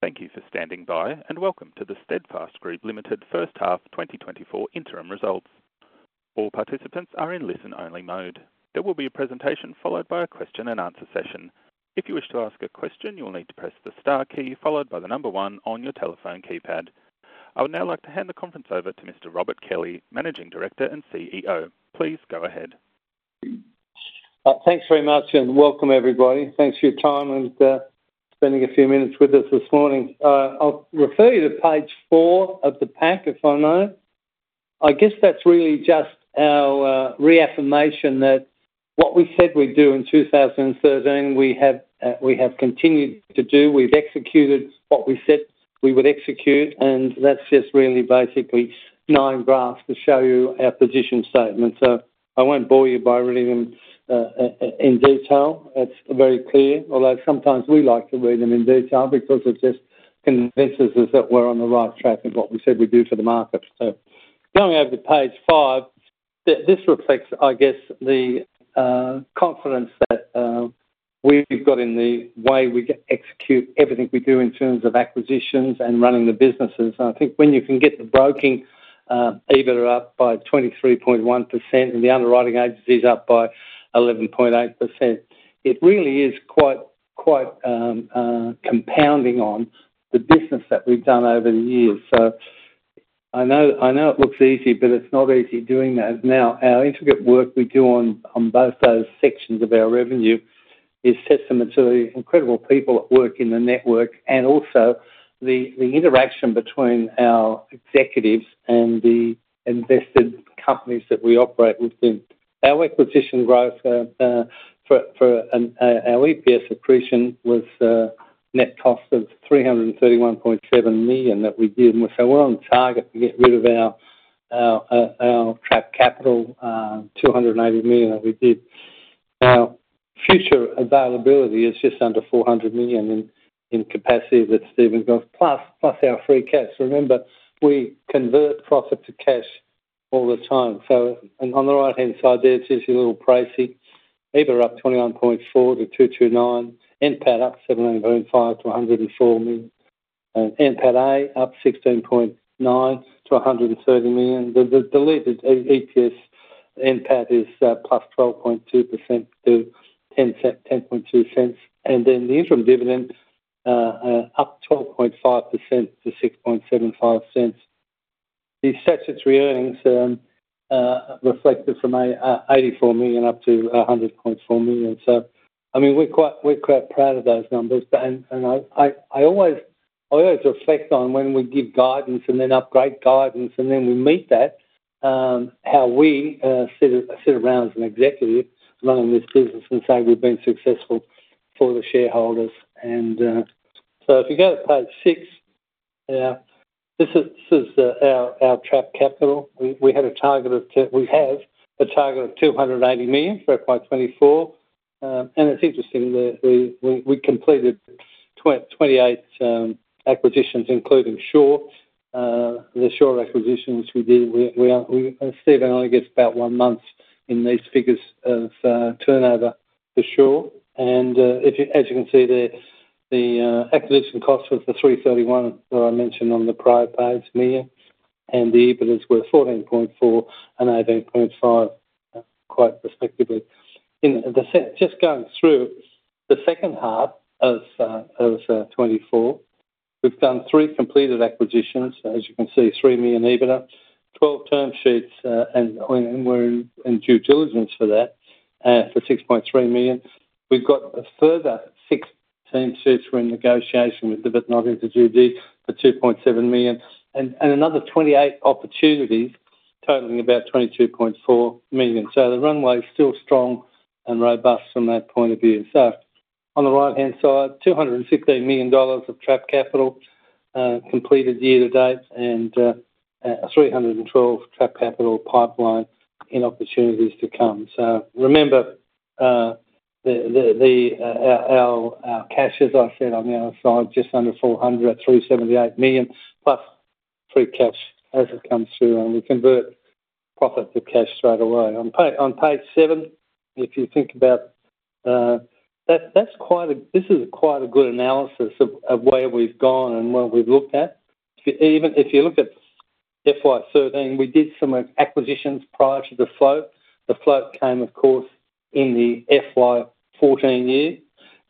Thank you for standing by, and welcome to the Steadfast Group Limited First Half 2024 Interim Results. All participants are in listen-only mode. There will be a presentation followed by a question and answer session. If you wish to ask a question, you will need to press the star key followed by the one on your telephone keypad. I would now like to hand the conference over to Mr. Robert Kelly, Managing Director and CEO. Please go ahead. Thanks very much, and welcome, everybody. Thanks for your time and spending a few minutes with us this morning. I'll refer you to page four of the pack, if I may. I guess that's really just our reaffirmation that what we said we'd do in 2013, we have continued to do. We've executed what we said we would execute, and that's just really basically nine graphs to show you our position statement. So I won't bore you by reading them in detail. It's very clear, although sometimes we like to read them in detail because it just convinces us that we're on the right track in what we said we'd do for the market. So going over to page five, this reflects, I guess, the confidence that we've got in the way we execute everything we do in terms of acquisitions and running the businesses. And I think when you can get the broking EBITDA up by 23.1% and the underwriting agencies up by 11.8%, it really is quite compounding on the business that we've done over the years. So I know, I know it looks easy, but it's not easy doing that. Now, our intricate work we do on both those sections of our revenue is a testament to the incredible people that work in the network and also the interaction between our executives and the invested companies that we operate within. Our acquisition growth, our EPS accretion was net cost of 331.7 million that we did. So we're on target to get rid of our trapped capital, 280 million that we did. Our future availability is just under 400 million in capacity that Stephen goes... Plus our free cash. Remember, we convert profit to cash all the time. On the right-hand side there, it's just a little precis. EBITDA up 21.4% to 229 million, NPATA up 17.5% to 104 million. NPATA up 16.9% to 130 million. The diluted EPS, NPATA is +12.2% to 0.102. And then the interim dividend up 12.5% to 6.75 cents. The statutory earnings reflected from 84 million up to 100.4 million. So, I mean, we're quite proud of those numbers. But and I always reflect on when we give guidance and then upgrade guidance, and then we meet that, how we sit around as an executive running this business and say we've been successful for the shareholders. And so if you go to page six, this is our Trapped Capital. We have a target of 280 million for FY 2024. And it's interesting that we completed 28 acquisitions, including Sure. The Sure acquisitions we did, Steve and I, I guess, about one month in these figures of turnover for Sure. If, as you can see there, the acquisition cost was 331, that I mentioned on the prior page, million, and the EBITDA is worth 14.4 and 18.5 quite respectively. In just going through the second half of 2024, we've done three completed acquisitions. As you can see, 3 million EBITDA, 12 term sheets, and we're in due diligence for that, for 6.3 million. We've got a further 16 sheets we're in negotiation with, but not into due diligence, for 2.7 million, and another 28 opportunities totaling about 22.4 million. So the runway is still strong and robust from that point of view. So on the right-hand side, 215 million dollars of Trapped Capital completed year to date, and 312 million Trapped Capital pipeline in opportunities to come. So remember, our cash, as I said, on the other side, just under 400 million, at 378 million, plus free cash as it comes through, and we convert profit to cash straightaway. On page seven, if you think about, that's quite a... This is quite a good analysis of where we've gone and what we've looked at. If you look at FY 2013, we did some acquisitions prior to the float. The float came, of course, in the FY 2014 year,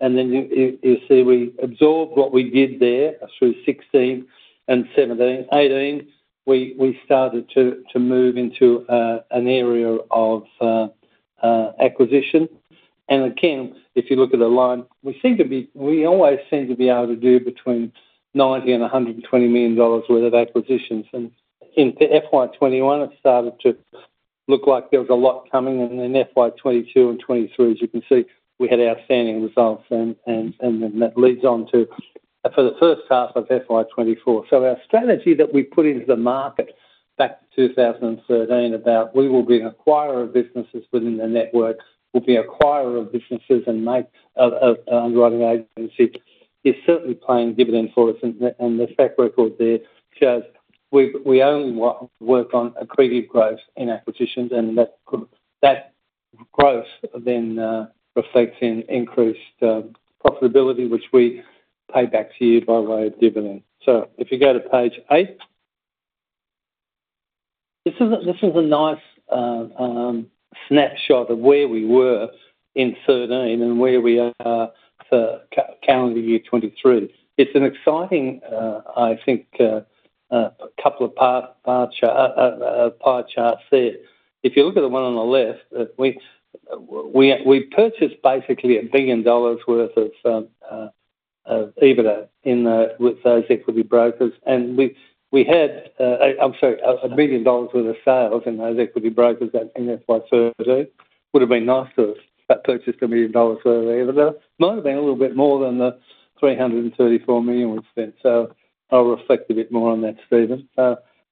and then you see, we absorbed what we did there through 2016 and 2017. Eighteen, we started to move into an area of acquisition. And again, if you look at the line, we always seem to be able to do between 90 million and 120 million dollars worth of acquisitions. And in FY 2021, it started to look like there was a lot coming, and in FY 2022 and 2023, as you can see, we had outstanding results, and then that leads on to... For the first half of FY 2024. So our strategy that we put into the market back in 2013, about we will be an acquirer of businesses within the network, we'll be an acquirer of businesses and maker of underwriting agencies, is certainly paying dividends for us. And the track record there shows we only work on accretive growth in acquisitions, and that growth then reflects in increased profitability, which we pay back to you by way of dividends. So if you go to page eight, this is a nice snapshot of where we were in 2013 and where we are for calendar year 2023. It's an exciting, I think, a couple of bar charts, pie charts there. If you look at the one on the left, we purchased basically 1 billion dollars worth of EBITDA with those equity brokers, and we had, I'm sorry, 1 billion dollars worth of sales in those equity brokers, and that's by 30. Would've been nice to have purchased 1 million dollars earlier, but it might have been a little bit more than the 334 million we spent, so I'll reflect a bit more on that, Stephen.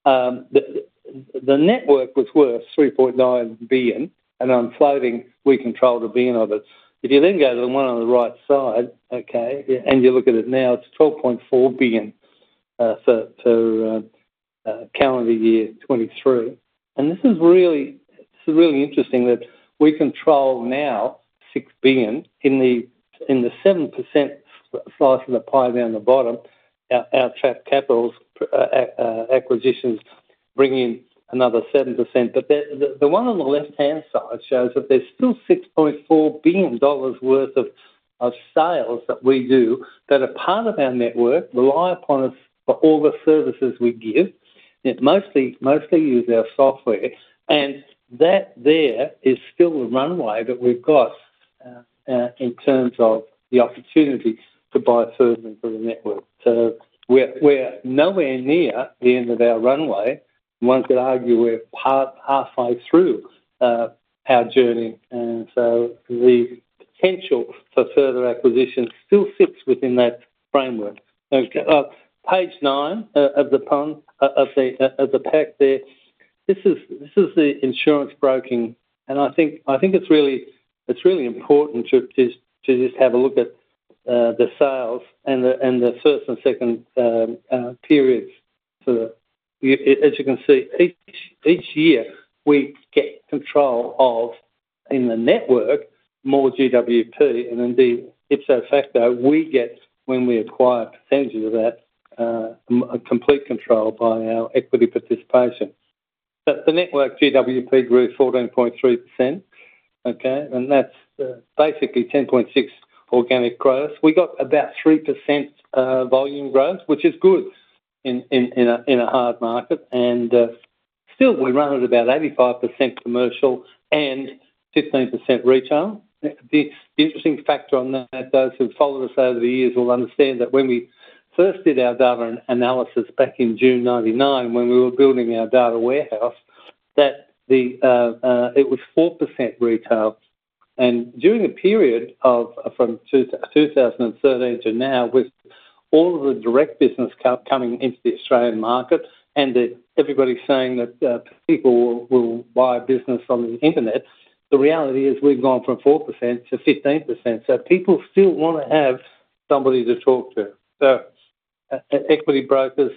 The network was worth 3.9 billion, and on floating, we control 1 billion of it. If you then go to the one on the right side, okay, and you look at it now, it's 12.4 billion, so to calendar year 2023. This is really, it's really interesting that we control now 6 billion in the 7% slice of the pie down the bottom, our trapped capital acquisitions bringing another 7%. The one on the left-hand side shows that there's still 6.4 billion dollars worth of sales that we do that are part of our network, rely upon us for all the services we give. It's mostly, mostly use our software, and that there is still the runway that we've got in terms of the opportunity to buy further into the network. We're nowhere near the end of our runway. One could argue we're part, halfway through our journey, and so the potential for further acquisition still sits within that framework. Okay, page nine of the pack there. This is the insurance broking, and I think it's really important to just have a look at the sales and the first and second periods. So you as you can see, each year, we get control of, in the network, more GWP, and indeed, ipso facto, we get, when we acquire a percentage of that, a complete control by our equity participation. But the network GWP grew 14.3%, okay? And that's basically 10.6% organic growth. We got about 3% volume growth, which is good in a hard market, and still we run at about 85% commercial and 15% retail. The interesting factor on that, those who've followed us over the years will understand that when we first did our data analysis back in June 1999, when we were building our data warehouse, that it was 4% retail. And during the period from 2013 to now, with all of the direct business coming into the Australian market and that everybody's saying that people will buy business from the internet, the reality is we've gone from 4% to 15%, so people still wanna have somebody to talk to. So equity brokers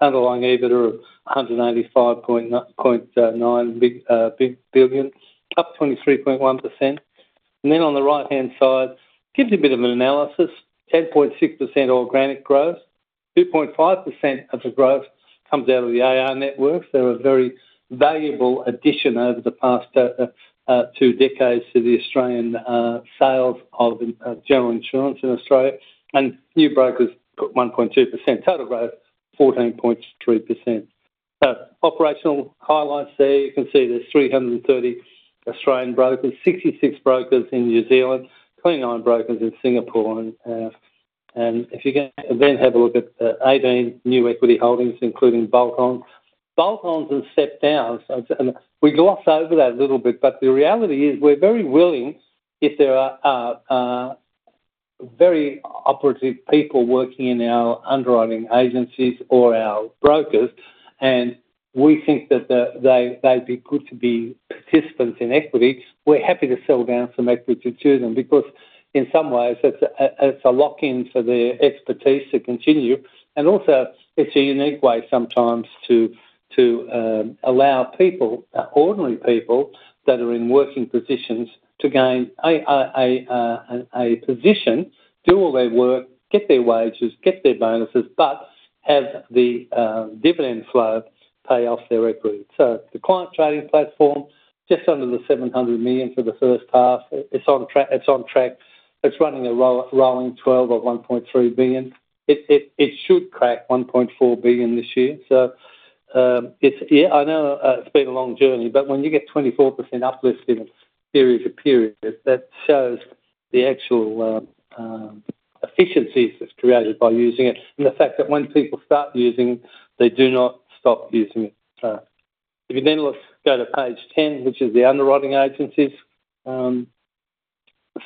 underlying EBITDA of 185.9 billion, up 23.1%. And then on the right-hand side, gives you a bit of an analysis, 10.6% organic growth, 2.5% of the growth comes out of the AR Network. They're a very valuable addition over the past two decades to the Australian sales of general insurance in Australia, and new brokers put 1.2%, total growth, 14.3%. So operational highlights there, you can see there's 330 Australian brokers, 66 brokers in New Zealand, 29 brokers in Singapore. And if you then have a look at the 18 new equity holdings, including bolt-ons. Bolt-ons have stepped down. So, and we gloss over that a little bit, but the reality is we're very willing, if there are very operative people working in our underwriting agencies or our brokers, and we think that they they'd be good to be participants in equity, we're happy to sell down some equity to them because in some ways, it's a lock-in for their expertise to continue. And also, it's a unique way sometimes to allow people, ordinary people that are in working positions to gain a position, do all their work, get their wages, get their bonuses, but have the dividend flow pay off their equity. So the Client Trading Platform, just under 700 million for the first half, it's on track, it's on track. It's running a rolling twelve or 1.3 billion. It should crack 1.4 billion this year. So, it's... Yeah, I know, it's been a long journey, but when you get 24% uplift in period to period, that shows the actual efficiencies that's created by using it, and the fact that when people start using, they do not stop using it. If you then look - go to page 10, which is the underwriting agencies, the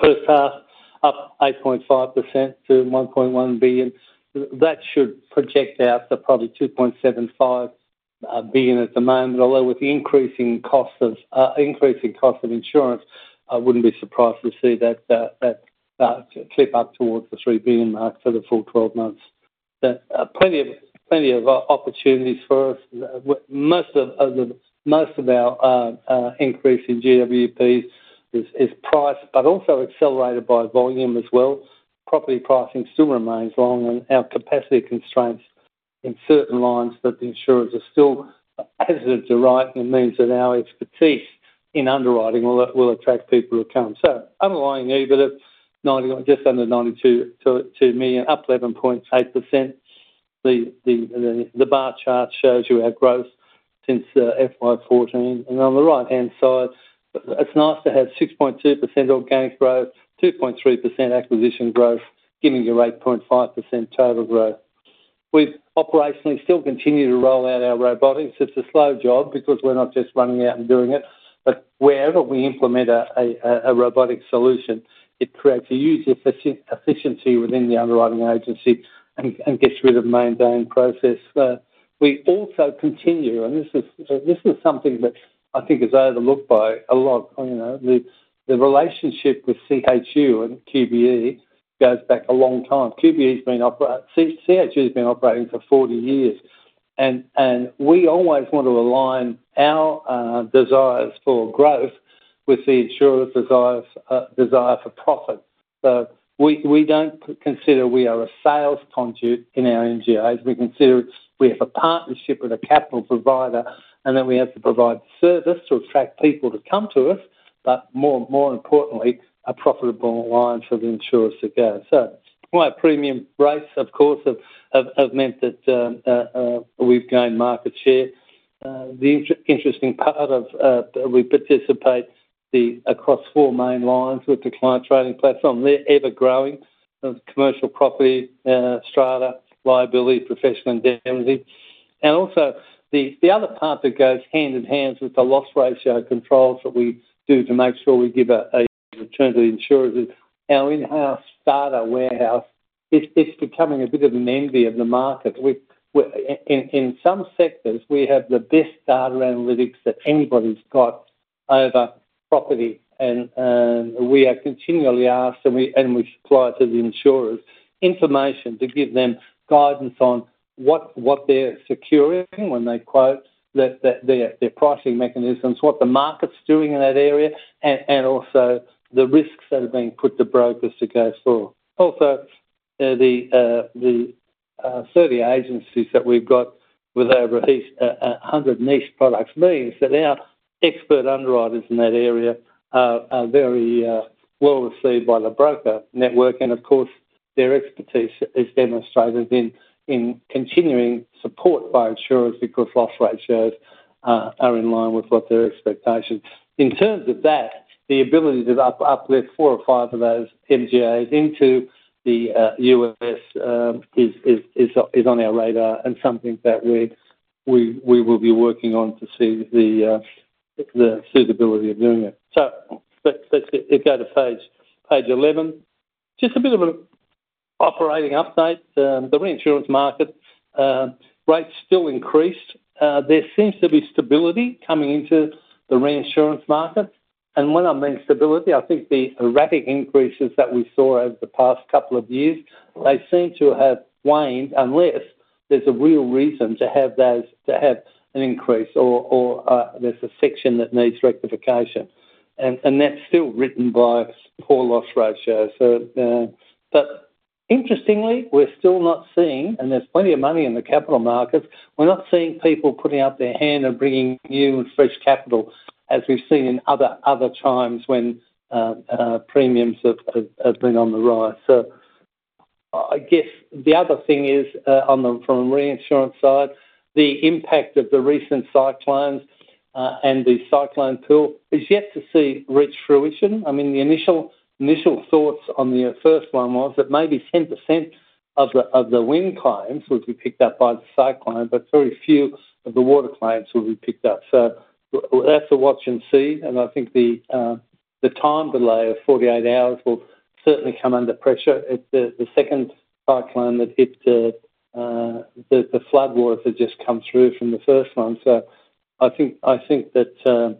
first half, up 8.5% to 1.1 billion. That should project out to probably 2.75 billion at the moment, although with the increasing cost of insurance, I wouldn't be surprised to see that clip up towards the 3 billion mark for the full 12 months. That plenty of opportunities for us. Most of our increase in GWPs is price, but also accelerated by volume as well. Property pricing still remains long, and our capacity constraints in certain lines that the insurers are still hesitant to write, and it means that our expertise in underwriting will attract people to come. So underlying EBITDA 91 million, just under 92 million to 2 million, up 11.8%. The bar chart shows you our growth since FY 2014, and on the right-hand side, it's nice to have 6.2% organic growth, 2.3% acquisition growth, giving you 8.5% total growth. We've operationally still continue to roll out our robotics. It's a slow job because we're not just running out and doing it, but wherever we implement a robotic solution, it creates a huge efficiency within the underwriting agency and gets rid of mundane process. We also continue, and this is something that I think is overlooked by a lot, you know, the relationship with CHU and QBE goes back a long time. CHU's been operating for 40 years, and we always want to align our desires for growth with the insurer's desire for profit. So we don't consider we are a sales conduit in our MGAs. We consider we have a partnership with a capital provider, and then we have to provide service to attract people to come to us, but more importantly, a profitable line for the insurers to go. So my premium rates, of course, have meant that we've gained market share. The interesting part of we participate across four main lines with the Client Trading Platform. They're ever-growing: commercial property, strata, liability, professional indemnity. And also, the other part that goes hand in hand with the loss ratio controls that we do to make sure we give a return to the insurer is our in-house data warehouse; it's becoming a bit of an envy of the market. We've. I, in some sectors, we have the best data analytics that anybody's got over property, and we are continually asked, and we supply to the insurers, information to give them guidance on what they're securing when they quote, that their pricing mechanisms, what the market's doing in that area, and also the risks that are being put to brokers to go for. Also, the specialty agencies that we've got with over at least 100 niche products, means that our expert underwriters in that area are very well-received by the broker network. And of course, their expertise is demonstrated in continuing support by insurers, because loss ratios are in line with what their expectations. In terms of that, the ability to uplift four or five of those MGAs into the U.S. is on our radar and something that we will be working on to see the suitability of doing it. So let's go to page 11. Just a bit of an operating update. The reinsurance market rates still increased. There seems to be stability coming into the reinsurance market. And when I mean stability, I think the erratic increases that we saw over the past couple of years seem to have waned, unless there's a real reason to have those, to have an increase or there's a section that needs rectification. And that's still written by poor loss ratio. So, but interestingly, we're still not seeing—and there's plenty of money in the capital markets, we're not seeing people putting up their hand and bringing new and fresh capital as we've seen in other times when premiums have been on the rise. So I guess the other thing is, on the from reinsurance side, the impact of the recent cyclones and the Cyclone Pool is yet to see reach fruition. I mean, the initial thoughts on the first one was that maybe 10% of the wind claims would be picked up by the cyclone, but very few of the water claims will be picked up. So that's a watch and see, and I think the time delay of 48 hours will certainly come under pressure. It the second cyclone that hit the floodwaters had just come through from the first one. So I think that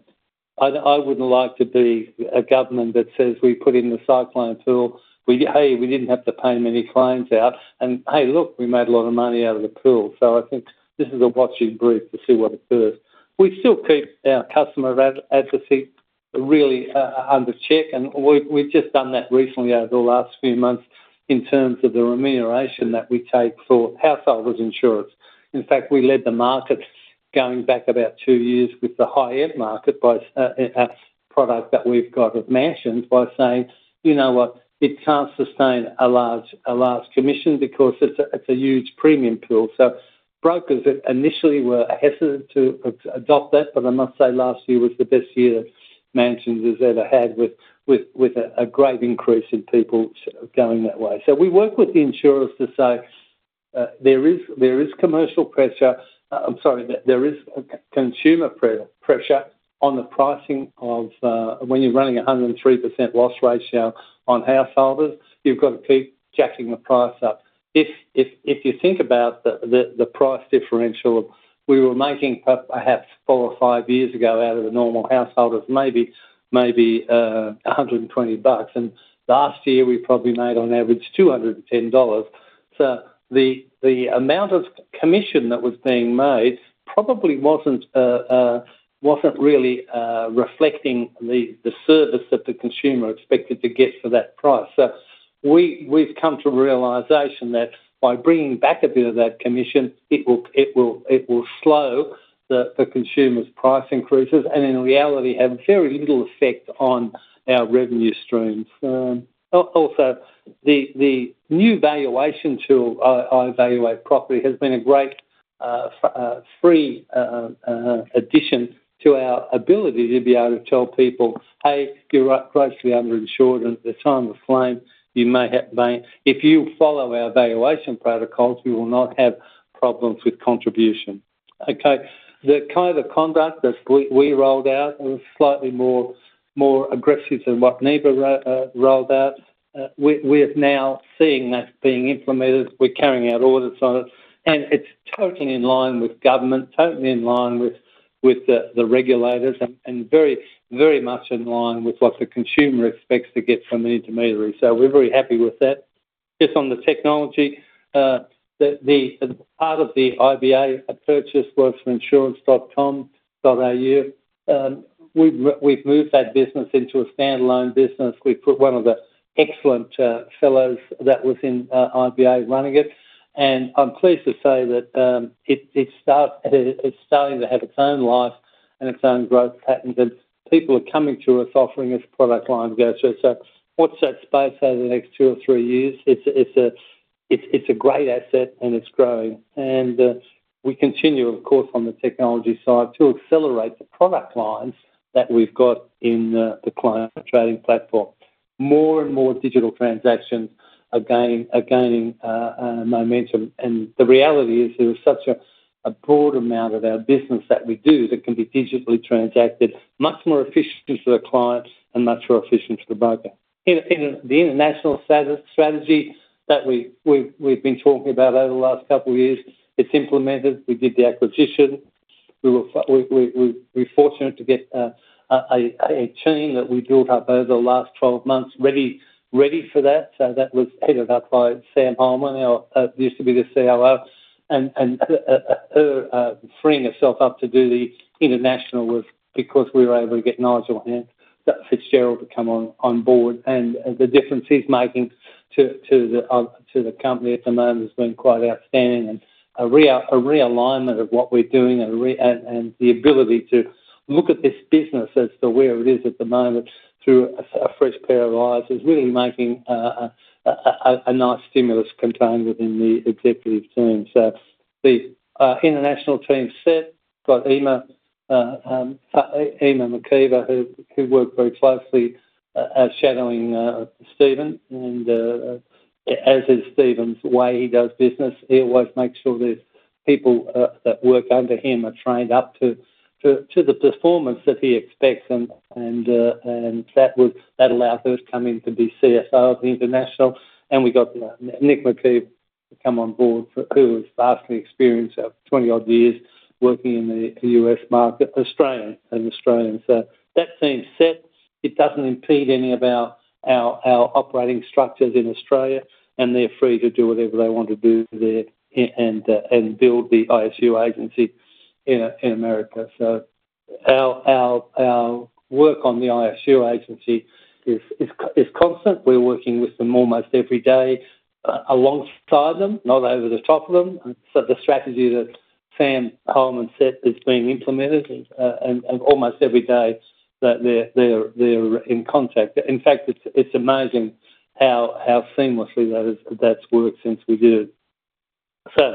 I wouldn't like to be a government that says, "We put in the Cyclone Pool. We hey, we didn't have to pay many claims out, and hey, look, we made a lot of money out of the pool." So I think this is a watch and see to see what occurs. We still keep our customer advocacy really under check, and we've just done that recently over the last few months in terms of the remuneration that we take for householders' insurance. In fact, we led the market going back about two years with the high-end market by product that we've got of Mansions, by saying, "You know what? It can't sustain a large commission because it's a huge premium pool." So brokers that initially were hesitant to adopt that, but I must say, last year was the best year Mansions has ever had, with a great increase in people going that way. So we work with the insurers to say, "There is commercial pressure..." "There is a consumer pressure on the pricing of..." When you're running a 103% loss ratio on householders, you've got to keep jacking the price up. If you think about the price differential, we were making, perhaps four or five years ago, out of the normal householders, maybe 120 bucks, and last year, we probably made on average 210 dollars. So the amount of commission that was being made probably wasn't really reflecting the service that the consumer expected to get for that price. So we've come to a realization that by bringing back a bit of that commission, it will slow the consumer's price increases, and in reality, have very little effect on our revenue streams. Also, the new valuation tool, iValuate Properly has been a great free addition to our ability to be able to tell people, "Hey, you're greatly underinsured, and at the time of claim, you may have if you follow our valuation protocols, we will not have problems with contribution." Okay. The code of conduct that we rolled out was slightly more aggressive than what NIBA rolled out. We're now seeing that being implemented. We're carrying out audits on it, and it's totally in line with government, totally in line with the regulators, and very much in line with what the consumer expects to get from the intermediary. So we're very happy with that. Just on the technology, part of the IBA purchase was from insurance.com.au. We've moved that business into a standalone business. We've put one of the excellent fellows that was in IBA running it, and I'm pleased to say that it's starting to have its own life and its own growth patterns, and people are coming to us offering us product lines go through. So what's that space over the next two or three years? It's a great asset, and it's growing. And we continue, of course, on the technology side, to accelerate the product lines that we've got in the Client Trading Platform. More and more digital transactions are gaining momentum, and the reality is, there is such a broad amount of our business that we do that can be digitally transacted, much more efficient to the clients and much more efficient to the broker. In the international strategy that we've been talking about over the last couple of years, it's implemented. We did the acquisition. We were fortunate to get a team that we built up over the last 12 months, ready for that. So that was headed up by Samantha Hollman, our used to be the CRO, and freeing herself up to do the international was because we were able to get Nigel Fitzgerald to come on board. And the difference he's making to the company at the moment has been quite outstanding, and a realignment of what we're doing, and the ability to look at this business as to where it is at the moment through a fresh pair of eyes, is really making a nice stimulus contained within the executive team. So the international team got Emma McKeever, who worked very closely as shadowing Stephen. And, as is Stephen's way he does business, he always makes sure there's people that work under him are trained up to the performance that he expects. And that would... That allowed her to come in to be CSO of the international. And we got Nick McKeever to come on board for, who was vastly experienced, of 20-odd years, working in the US market, Australian, an Australian. So that team set, it doesn't impede any of our operating structures in Australia, and they're free to do whatever they want to do there and build the ISU agency in America. So our work on the ISU agency is constant. We're working with them almost every day, alongside them, not over the top of them. So the strategy that Samantha Hollman set is being implemented, and almost every day, they're in contact. In fact, it's amazing how seamlessly that's worked since we did it. So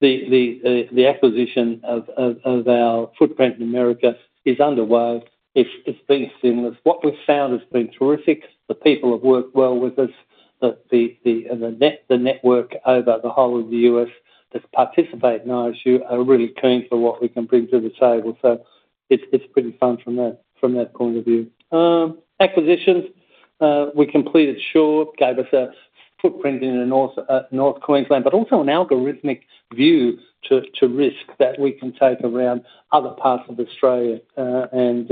the acquisition of our footprint in America is underway. It's been seamless. What we've found has been terrific. The people have worked well with us. The network over the whole of the U.S. that participate in ISU are really keen for what we can bring to the table, so it's pretty fun from that point of view. Acquisitions, we completed Sure gave us a footprint in the North Queensland, but also an algorithmic view to risk that we can take around other parts of Australia. And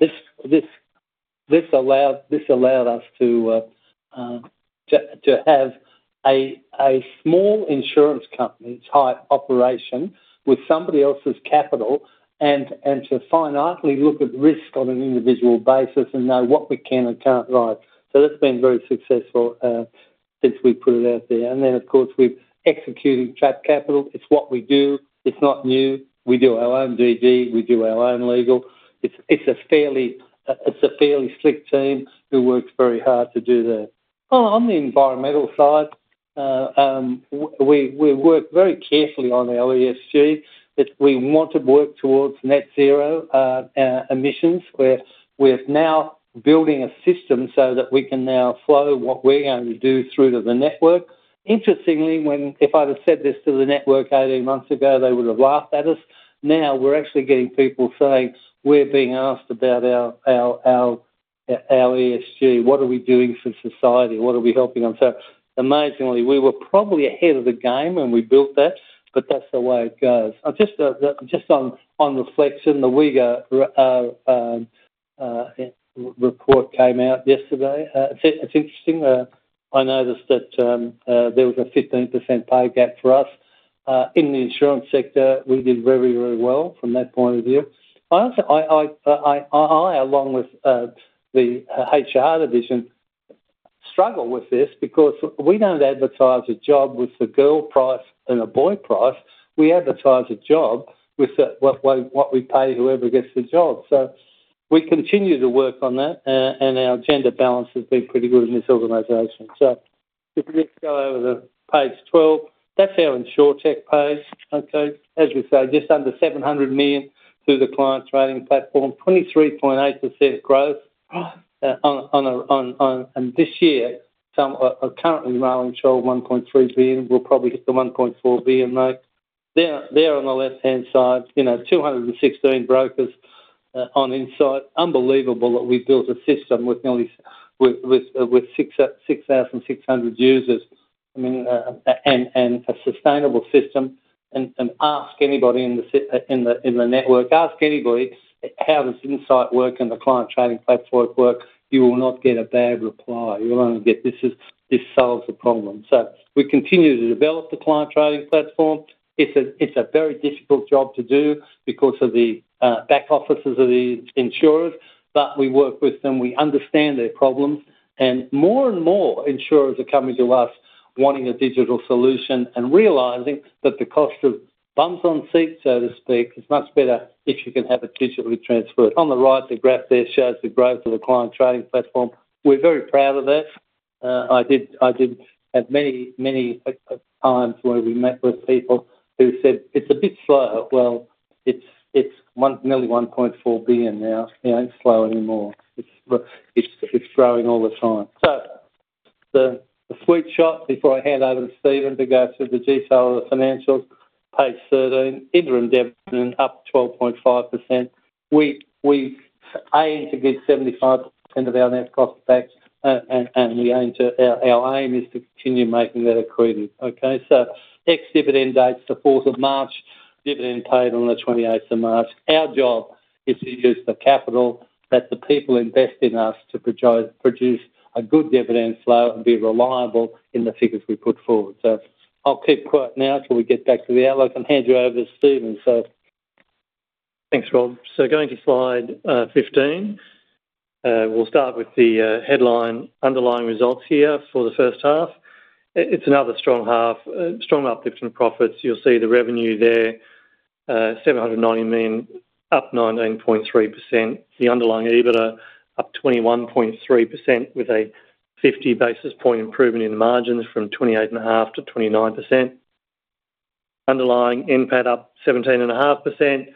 this allowed us to have a small insurance company type operation with somebody else's capital and to finitely look at risk on an individual basis and know what we can and can't write. So that's been very successful since we put it out there. And then, of course, we've executed trapped capital. It's what we do. It's not new. We do our own DD, we do our own legal. It's a fairly slick team who works very hard to do that. Well, on the environmental side, we work very carefully on our ESG. We want to work towards net zero emissions, where we're now building a system so that we can now flow what we're going to do through to the network. Interestingly, when, if I'd have said this to the network 18 months ago, they would have laughed at us. Now, we're actually getting people saying, "We're being asked about our ESG. What are we doing for society? What are we helping them?" So amazingly, we were probably ahead of the game when we built that, but that's the way it goes. Just on reflection, the WGEA report came out yesterday. It's interesting. I noticed that there was a 15% pay gap for us in the insurance sector. We did very, very well from that point of view. Honestly, I along with the HR division struggle with this because we don't advertise a job with a girl price and a boy price. We advertise a job with what we pay, whoever gets the job. So we continue to work on that, and our gender balance has been pretty good in this organization. So if we just go over to page 12, that's our InsurTech page. Okay, as we say, just under 700 million through the client's trading platform, 23.8% growth, on. And this year, are currently rolling short of 1.3 billion, we'll probably hit the 1.4 billion note. There on the left-hand side, you know, 216 brokers on INSIGHT. Unbelievable that we built a system with nearly 6,600 users. I mean, and a sustainable system. Ask anybody in the network, ask anybody, how does INSIGHT work and the Client Trading Platform work? You will not get a bad reply. You'll only get, "This is. This solves the problem." So we continue to develop the Client Trading Platform. It's a very difficult job to do because of the back offices of the insurers, but we work with them. We understand their problems, and more and more insurers are coming to us wanting a digital solution and realizing that the cost of bums on seats, so to speak, is much better if you can have it digitally transferred. On the right, the graph there shows the growth of the Client Trading Platform. We're very proud of that. I did have many times where we met with people who said, "It's a bit slow." Well, it's nearly 1.4 billion now. It ain't slow anymore. It's growing all the time. So the sweet shot before I hand over to Stephen to go through the detail of the financials, page 13, interim dividend up 12.5%. We aim to give 75% of our net cost back, and we aim to... Our aim is to continue making that accreted, okay? So ex-dividend date's the fourth of March, dividend paid on the twenty-eighth of March. Our job is to use the capital that the people invest in us to produce a good dividend flow and be reliable in the figures we put forward. I'll keep quiet now till we get back to the outlook and hand you over to Stephen, so. Thanks, Rob. So going to Slide 15. We'll start with the headline underlying results here for the first half. It's another strong half, strong uplift in profits. You'll see the revenue there, 790 million, up 19.3%. The underlying EBITDA up 21.3%, with a 50 basis point improvement in the margins from 28.5% to 29%. Underlying NPAT up 17.5%.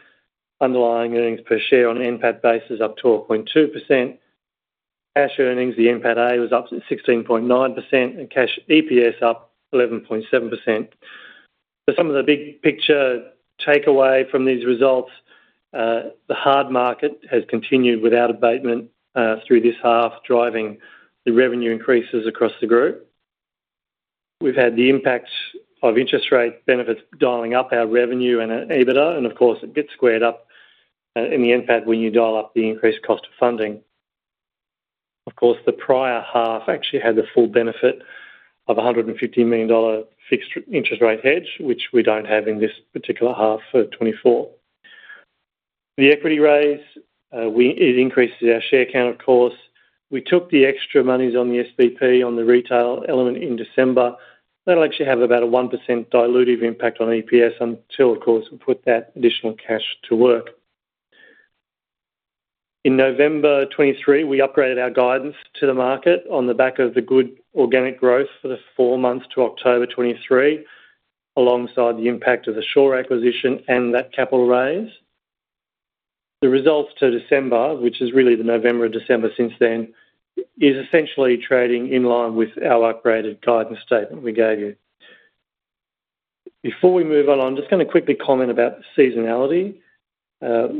Underlying earnings per share on NPATA basis up 12.2%. Cash earnings, the NPATA was up 16.9%, and cash EPS up 11.7%. But some of the big picture takeaway from these results, the hard market has continued without abatement through this half, driving the revenue increases across the group. We've had the impacts of interest rate benefits dialing up our revenue and our EBITDA, and of course, it gets squared up in the NPATA when you dial up the increased cost of funding. Of course, the prior half actually had the full benefit of 150 million dollar fixed interest rate hedge, which we don't have in this particular half for 2024. The equity raise, it increases our share count, of course. We took the extra monies on the SPP, on the retail element in December. That'll actually have about a 1% dilutive impact on EPS until, of course, we put that additional cash to work. In November 2023, we upgraded our guidance to the market on the back of the good organic growth for the 4 months to October 2023, alongside the impact of the Sure acquisition and that capital raise. The results to December, which is really the November and December since then, is essentially trading in line with our upgraded guidance statement we gave you. Before we move on, I'm just gonna quickly comment about the seasonality.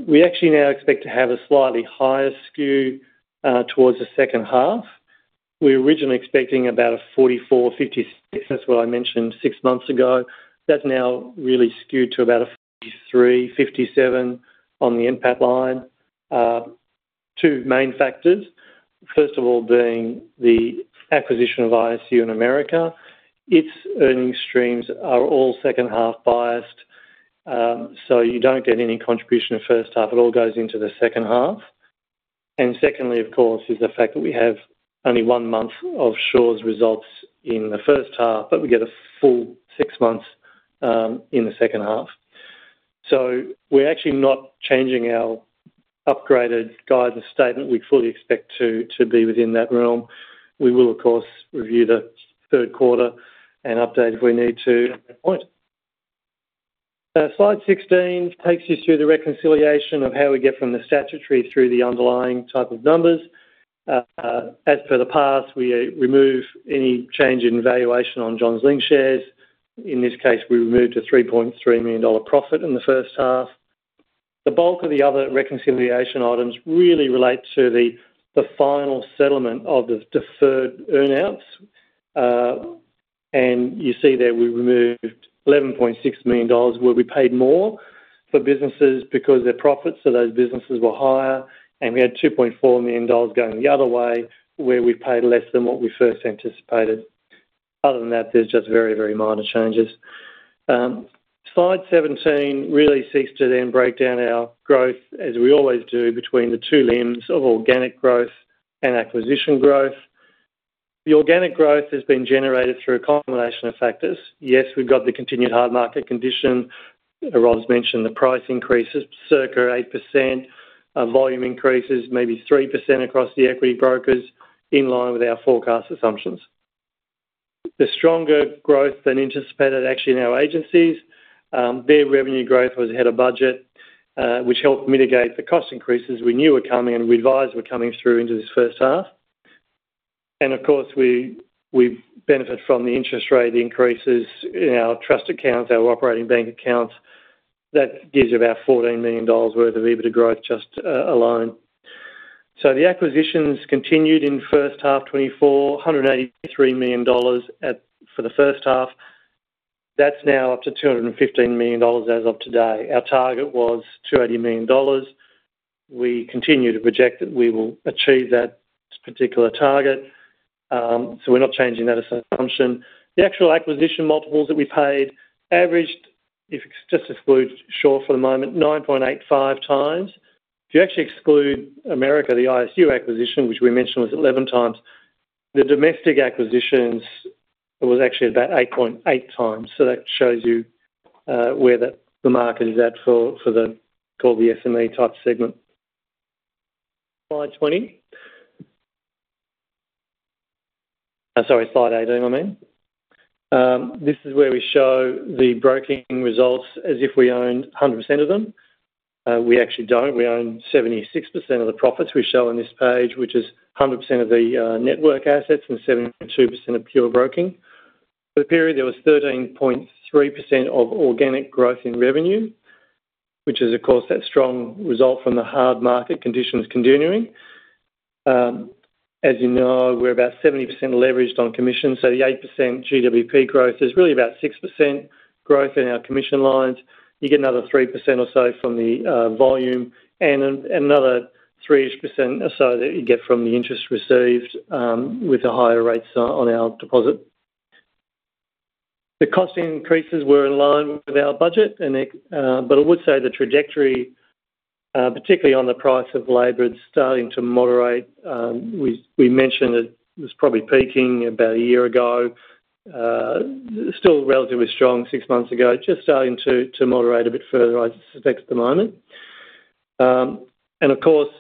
We actually now expect to have a slightly higher skew towards the second half. We were originally expecting about a 44-56. That's what I mentioned six months ago. That's now really skewed to about a 53-57 on the NPAT line. Two main factors: first of all, being the acquisition of ISU in America. Its earning streams are all second half biased, so you don't get any contribution of first half. It all goes into the second half. And secondly, of course, is the fact that we have only one month of Sure's results in the first half, but we get a full six months in the second half. So we're actually not changing our upgraded guidance statement. We fully expect to, to be within that realm. We will, of course, review the third quarter and update if we need to at that point. Slide 16 takes you through the reconciliation of how we get from the statutory through the underlying type of numbers. As per the past, we remove any change in valuation on Johns Lyng shares. In this case, we removed a $3.3 million profit in the first half. The bulk of the other reconciliation items really relate to the, the final settlement of the deferred earn outs. And you see that we removed 11.6 million dollars, where we paid more for businesses because their profits for those businesses were higher, and we had 2.4 million dollars going the other way, where we paid less than what we first anticipated. Other than that, there's just very, very minor changes. Slide 17 really seeks to then break down our growth, as we always do, between the two limbs of organic growth and acquisition growth. The organic growth has been generated through a combination of factors. Yes, we've got the continued hard market condition. As Rob's mentioned, the price increases, circa 8%, volume increases maybe 3% across the equity brokers, in line with our forecast assumptions. The stronger growth than anticipated, actually, in our agencies, their revenue growth was ahead of budget, which helped mitigate the cost increases we knew were coming, and we advised were coming through into this first half. And of course, we, we benefit from the interest rate increases in our trust accounts, our operating bank accounts. That gives you about 14 million dollars worth of EBITDA growth, just, alone. So the acquisitions continued in the first half 2024, AUD 183 million at—for the first half. That's now up to 215 million dollars as of today. Our target was 280 million dollars. We continue to project that we will achieve that particular target, so we're not changing that as an assumption. The actual acquisition multiples that we paid averaged, if you just exclude Sure for the moment, 9.85x. If you actually exclude America, the ISU acquisition, which we mentioned was 11x, the domestic acquisitions was actually about 8.8x. So that shows you where the market is at for the core, the SME-type segment. Slide 20. Sorry, Slide 18. This is where we show the broking results as if we owned 100% of them. We actually don't. We own 76% of the profits we show on this page, which is 100% of the network assets and 72% of pure broking. For the period, there was 13.3% of organic growth in revenue, which is, of course, that strong result from the hard market conditions continuing. As you know, we're about 70% leveraged on commission, so the 8% GWP growth is really about 6% growth in our commission lines. You get another 3% or so from the volume, and another 3-ish% or so that you get from the interest received with the higher rates on our deposit. The cost increases were in line with our budget, and it... But I would say the trajectory, particularly on the price of labor, it's starting to moderate. We mentioned it was probably peaking about a year ago. Still relatively strong six months ago. Just starting to moderate a bit further, I suspect, at the moment. And of course,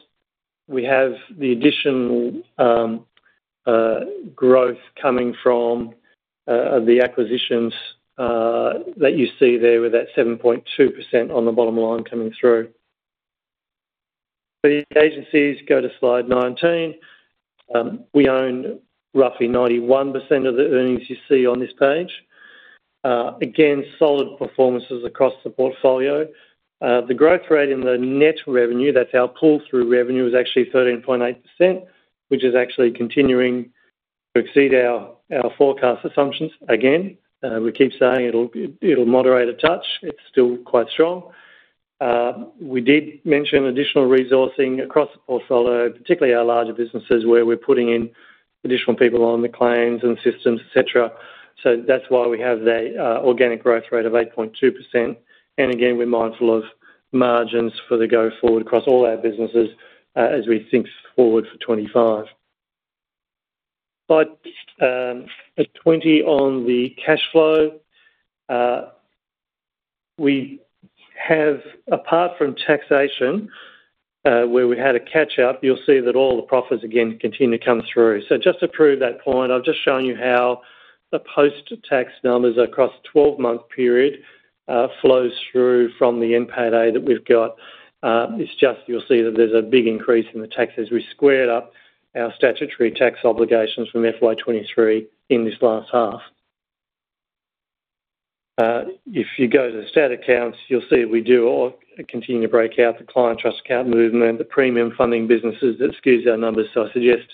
we have the additional growth coming from the acquisitions that you see there, with that 7.2% on the bottom line coming through. The agencies, go to Slide 19. We own roughly 91% of the earnings you see on this page. Again, solid performances across the portfolio. The growth rate in the net revenue, that's our pull-through revenue, is actually 13.8%, which is actually continuing to exceed our forecast assumptions. Again, we keep saying it'll moderate a touch. It's still quite strong. We did mention additional resourcing across the portfolio, particularly our larger businesses, where we're putting in additional people on the claims and systems, et cetera. So that's why we have that organic growth rate of 8.2%. And again, we're mindful of margins for the go-forward across all our businesses, as we think forward for 25. Slide 20 on the cash flow. We have, apart from taxation, where we had a catch-up, you'll see that all the profits again continue to come through. So just to prove that point, I've just shown you how the post-tax numbers across a 12-month period flows through from the NPATA that we've got. It's just, you'll see that there's a big increase in the tax as we squared up our statutory tax obligations from FY 2023 in this last half. If you go to the stat accounts, you'll see that we do all continue to break out the client trust account movement, the premium funding businesses that skews our numbers. I suggest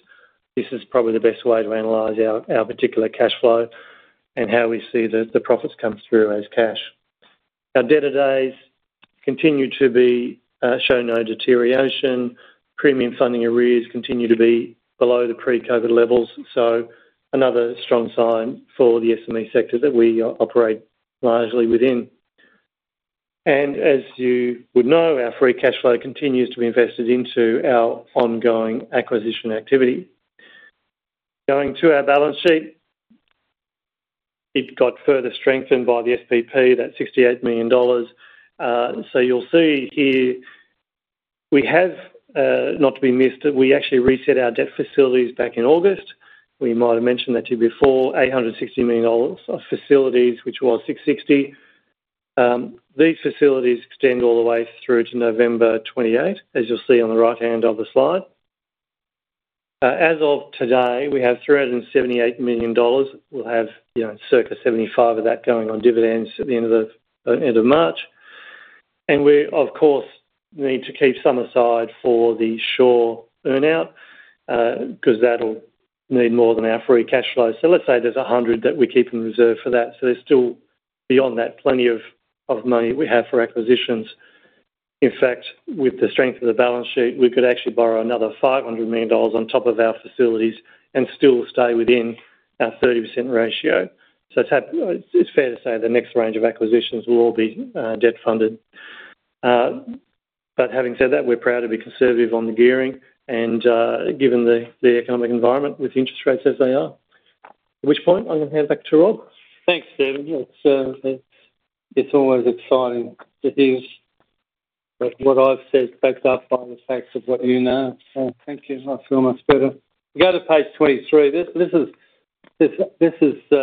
this is probably the best way to analyze our, our particular cash flow and how we see the, the profits come through as cash. Our debtor days continue to be, show no deterioration. Premium funding arrears continue to be below the pre-COVID levels, so another strong sign for the SME sector that we operate largely within. As you would know, our free cash flow continues to be invested into our ongoing acquisition activity. Going to our balance sheet, it got further strengthened by the SPP, that 68 million dollars. You'll see here, we have, not to be missed, that we actually reset our debt facilities back in August. We might have mentioned that to you before, 860 million dollars of facilities, which was 660 million. These facilities extend all the way through to November 28, as you'll see on the right-hand of the slide. As of today, we have 378 million dollars. We'll have, you know, circa 75 of that going on dividends at the end of the end of March. And we, of course, need to keep some aside for the Sure earn-out, because that'll need more than our free cash flow. So let's say there's a hundred that we keep in reserve for that, so there's still, beyond that, plenty of money we have for acquisitions. In fact, with the strength of the balance sheet, we could actually borrow another 500 million dollars on top of our facilities and still stay within our 30% ratio. So it's fair to say the next range of acquisitions will all be debt funded. But having said that, we're proud to be conservative on the gearing and, given the economic environment with interest rates as they are. At which point, I'm going to hand back to Rob. Thanks, Stephen. Yes, sir, it's always exciting. It is that what I've said is backed up by the facts of what you know, so thank you. I feel much better. If you go to page 23, this is... It's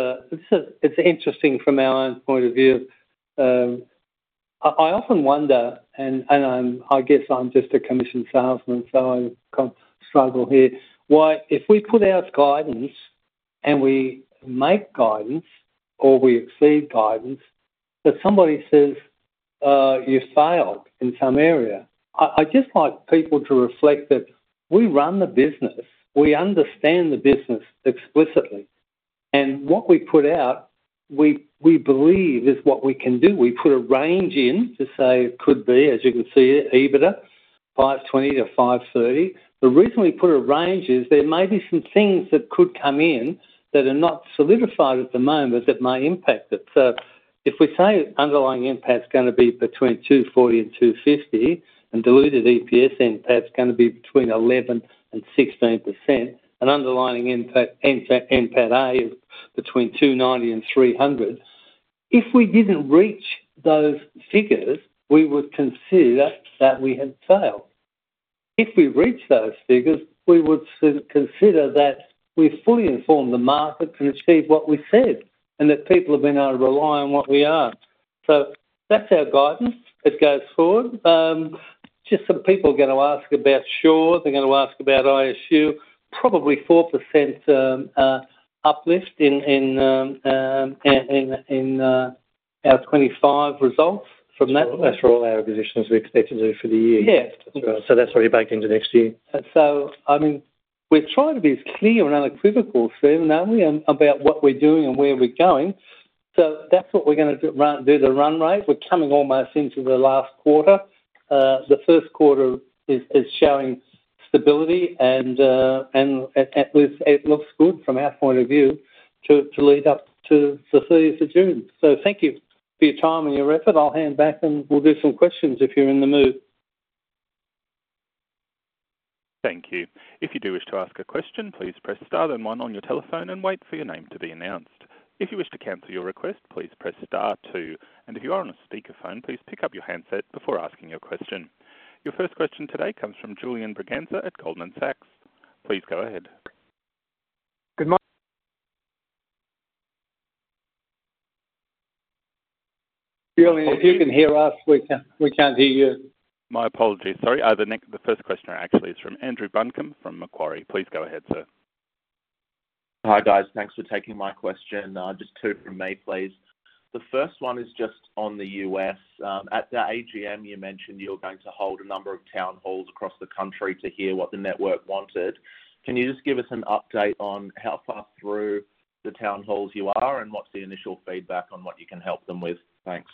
interesting from our own point of view. I often wonder, and I'm—I guess I'm just a commission salesman, so I kind of struggle here, why if we put out guidance, and we make guidance or we exceed guidance, that somebody says, "You failed in some area." I'd just like people to reflect that we run the business, we understand the business explicitly, and what we put out, we believe is what we can do. We put a range in to say it could be, as you can see it, EBITDA, 520-530. The reason we put a range is there may be some things that could come in that are not solidified at the moment that may impact it. So if we say underlying NPAT's gonna be between 240 and 250, and diluted EPS NPAT's gonna be between 11% and 16%, and underlying NPAT, NPATA is between 290 and 300, if we didn't reach those figures, we would consider that we had failed. If we reach those figures, we would consider that we've fully informed the market and achieved what we said, and that people have been able to rely on what we are. So that's our guidance as it goes forward. Just some people are gonna ask about Sure. They're gonna ask about ISU. Probably 4% uplift in our 2025 results from that. That's for all our acquisitions we expect to do for the year. Yes. That's already baked into next year. I mean, we're trying to be as clear and unequivocal, Stephen, aren't we, about what we're doing and where we're going? So that's what we're gonna do the run rate. We're coming almost into the last quarter. The first quarter is showing stability, and at least it looks good from our point of view to lead up to the 30th of June. So thank you for your time and your effort. I'll hand back, and we'll do some questions if you're in the mood. Thank you. If you do wish to ask a question, please press star then one on your telephone and wait for your name to be announced. If you wish to cancel your request, please press star two. If you are on a speakerphone, please pick up your handset before asking your question. Your first question today comes from Julian Braganza at Goldman Sachs. Please go ahead. Good mor Julian, if you can hear us, we can't, we can't hear you. My apologies. Sorry, the first questioner actually is from Andrew Buncombe from Macquarie. Please go ahead, sir. Hi, guys. Thanks for taking my question. Just two from me, please. The first one is just on the U.S. At the AGM, you mentioned you're going to hold a number of town halls across the country to hear what the network wanted. Can you just give us an update on how far through the town halls you are, and what's the initial feedback on what you can help them with? Thanks.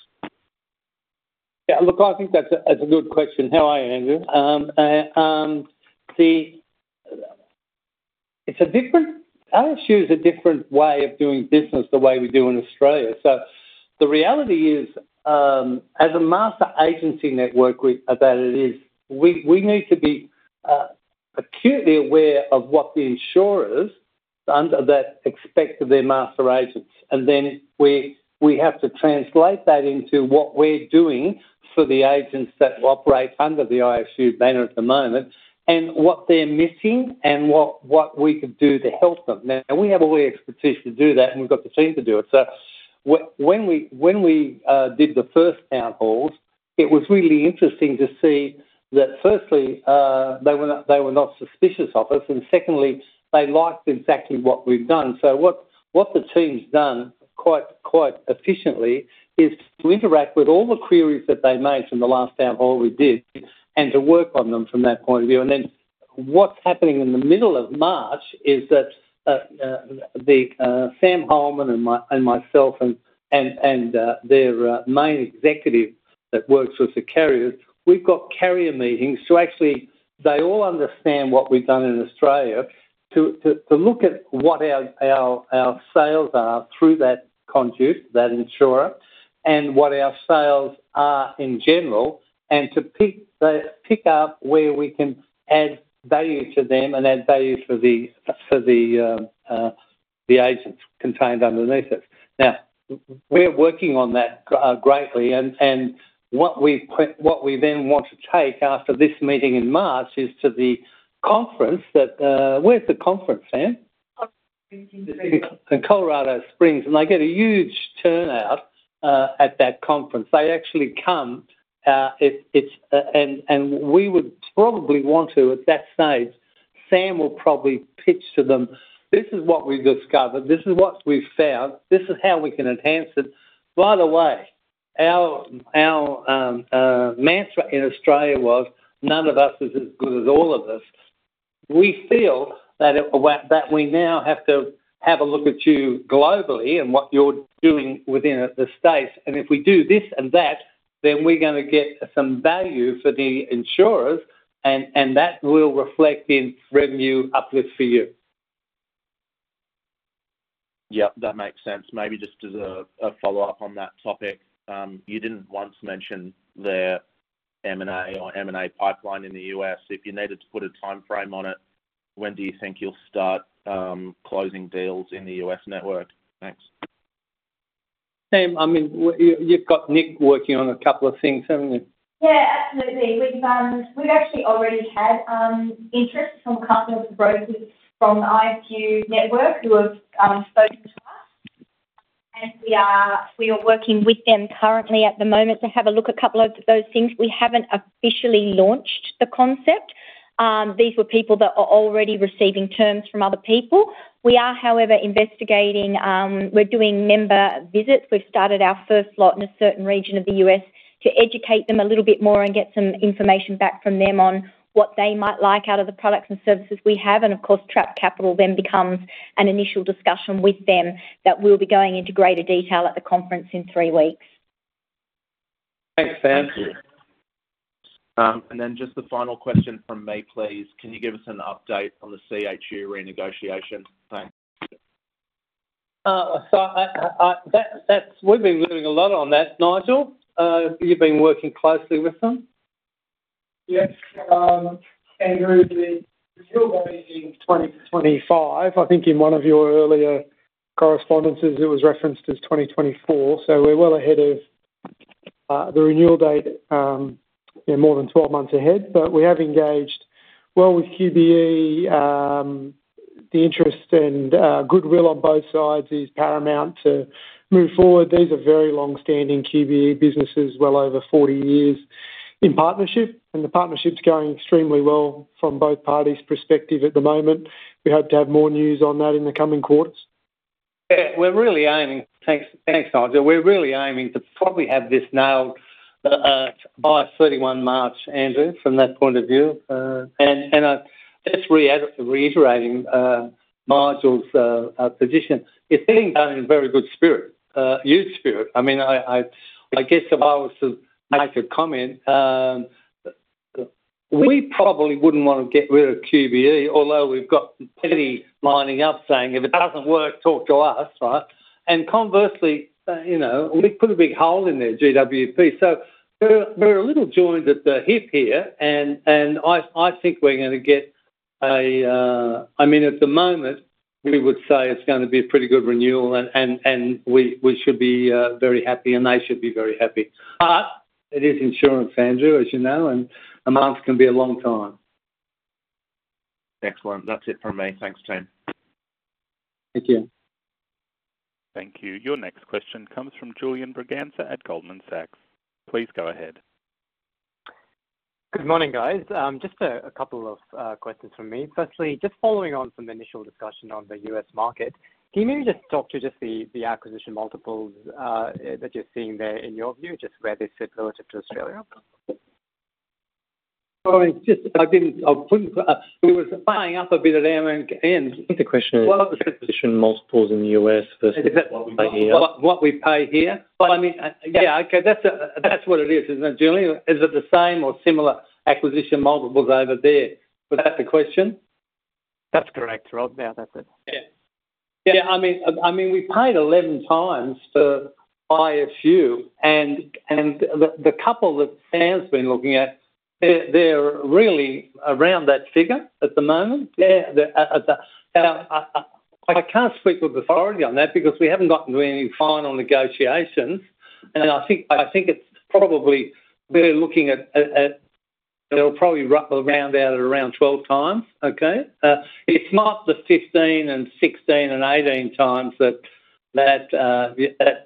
Yeah, look, I think that's a good question. How are you, Andrew? ISU is a different way of doing business the way we do in Australia. So the reality is, as a master agency network, we need to be acutely aware of what the insurers under that expect of their master agents. And then we have to translate that into what we're doing for the agents that operate under the ISU banner at the moment, and what they're missing, and what we could do to help them. Now, and we have all the expertise to do that, and we've got the team to do it. So when we, when we, did the first town halls, it was really interesting to see that, firstly, they were not, they were not suspicious of us, and secondly, they liked exactly what we've done. So what, what the team's done, quite, quite efficiently, is to interact with all the queries that they made from the last town hall we did, and to work on them from that point of view. And then, what's happening in the middle of March is that, Samantha Hollman and I, and myself, and their main executive that works with the carriers, we've got carrier meetings. So actually, they all understand what we've done in Australia to look at what our sales are through that conduit, that insurer, and what our sales are in general, and to pick up where we can add value to them and add value for the agents contained underneath it. Now, we're working on that greatly, and what we then want to take after this meeting in March is to the conference that... Where's the conference, Sam? In Colorado Springs, and they get a huge turnout at that conference. They actually come. And we would probably want to, at that stage, Sam will probably pitch to them, "This is what we've discovered. This is what we've found. This is how we can enhance it. By the way, our mantra in Australia was, none of us is as good as all of us. We feel that, well, that we now have to have a look at you globally and what you're doing within the States. And if we do this and that, then we're gonna get some value for the insurers, and that will reflect in revenue uplift for you. Yep, that makes sense. Maybe just as a follow-up on that topic, you didn't once mention the M&A or M&A pipeline in the U.S. If you needed to put a timeframe on it, when do you think you'll start closing deals in the U.S. network? Thanks. Sam, I mean, you've got Nick working on a couple of things, haven't you? Yeah, absolutely. We've, we've actually already had interest from a couple of brokers from the ISU network who have spoken to us, and we are, we are working with them currently at the moment to have a look a couple of those things. We haven't officially launched the concept. These were people that are already receiving terms from other people. We are, however, investigating. We're doing member visits. We've started our first lot in a certain region of the US to educate them a little bit more and get some information back from them on what they might like out of the products and services we have. And of course, trapped capital then becomes an initial discussion with them that we'll be going into greater detail at the conference in three weeks. Thanks, Sam. Thank you. And then just the final question from me, please. Can you give us an update on the CHU renegotiation? Thanks. So, that's. We've been living a lot on that, Nigel. You've been working closely with them? Yes. Andrew, the renewal date is in 2025. I think in one of your earlier correspondences, it was referenced as 2024, so we're well ahead of the renewal date, yeah, more than 12 months ahead. But we have engaged well with QBE. The interest and goodwill on both sides is paramount to move forward. These are very long-standing QBE businesses, well over 40 years in partnership, and the partnership's going extremely well from both parties' perspective at the moment. We hope to have more news on that in the coming quarters. Yeah, we're really aiming. Thanks. Thanks, Nigel. We're really aiming to probably have this nailed by 31 March, Andrew, from that point of view. And I just reiterating Nigel's position, it's being done in very good spirit, youth spirit. I mean, I, I, I guess if I was to make a comment, we probably wouldn't want to get rid of QBE, although we've got many lining up saying, "If it doesn't work, talk to us," right? And conversely, you know, we put a big hole in their GWP. So we're a little joined at the hip here, and I think we're gonna get a... I mean, at the moment, we would say it's gonna be a pretty good renewal, and we should be very happy, and they should be very happy. It is insurance, Andrew, as you know, and a month can be a long time. Excellent. That's it from me. Thanks, team. Thank you. Thank you. Your next question comes from Julian Braganza at Goldman Sachs. Please go ahead. Good morning, guys. Just a couple of questions from me. Firstly, just following on from the initial discussion on the U.S. market, can you maybe just talk to the acquisition multiples that you're seeing there in your view, just where this fits relative to Australia? Well, it's just, I didn't, I wouldn't, we were buying up a bit at our end. I think the question is acquisition multiples in the U.S. versus- Is that- what we pay here. What, what we pay here? I mean, yeah, okay, that's, that's what it is, isn't it, Julian? Is it the same or similar acquisition multiples over there? Was that the question? That's correct, Rob. Yeah, that's it. Yeah. Yeah, I mean, I mean, we paid 11x to buy a few, and, and the, the couple that Sam's been looking at, they're, they're really around that figure at the moment. Yeah, the, I can't speak with authority on that because we haven't gotten to any final negotiations. And I think, I think it's probably, we're looking at, it'll probably wrap around out at around 12x, okay? It's not the 15x and 16x and 18x that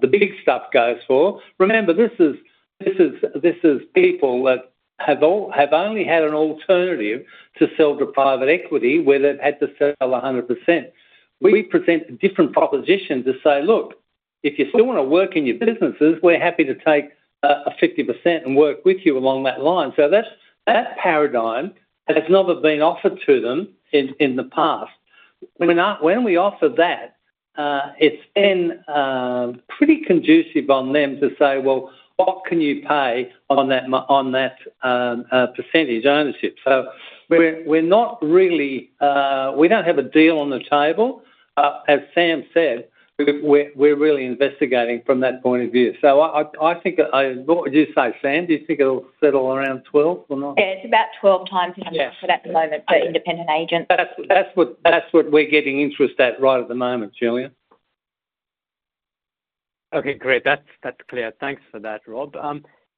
the big stuff goes for. Remember, this is, this is, this is people that have all have only had an alternative to sell to private equity, where they've had to sell 100%. We present a different proposition to say: Look, if you still wanna work in your businesses, we're happy to take a 50% and work with you along that line. So that's, that paradigm has never been offered to them in the past. When we offer that, it's been pretty conducive on them to say, "Well, what can you pay on that on that percentage ownership?" So we're really investigating from that point of view. So I think... What would you say, Sam? Do you think it'll settle around 12 or not? Yeah, it's about 12x Yeah At the moment, an independent agent. That's what we're getting interest at right at the moment, Julian. Okay, great. That's clear. Thanks for that, Rob.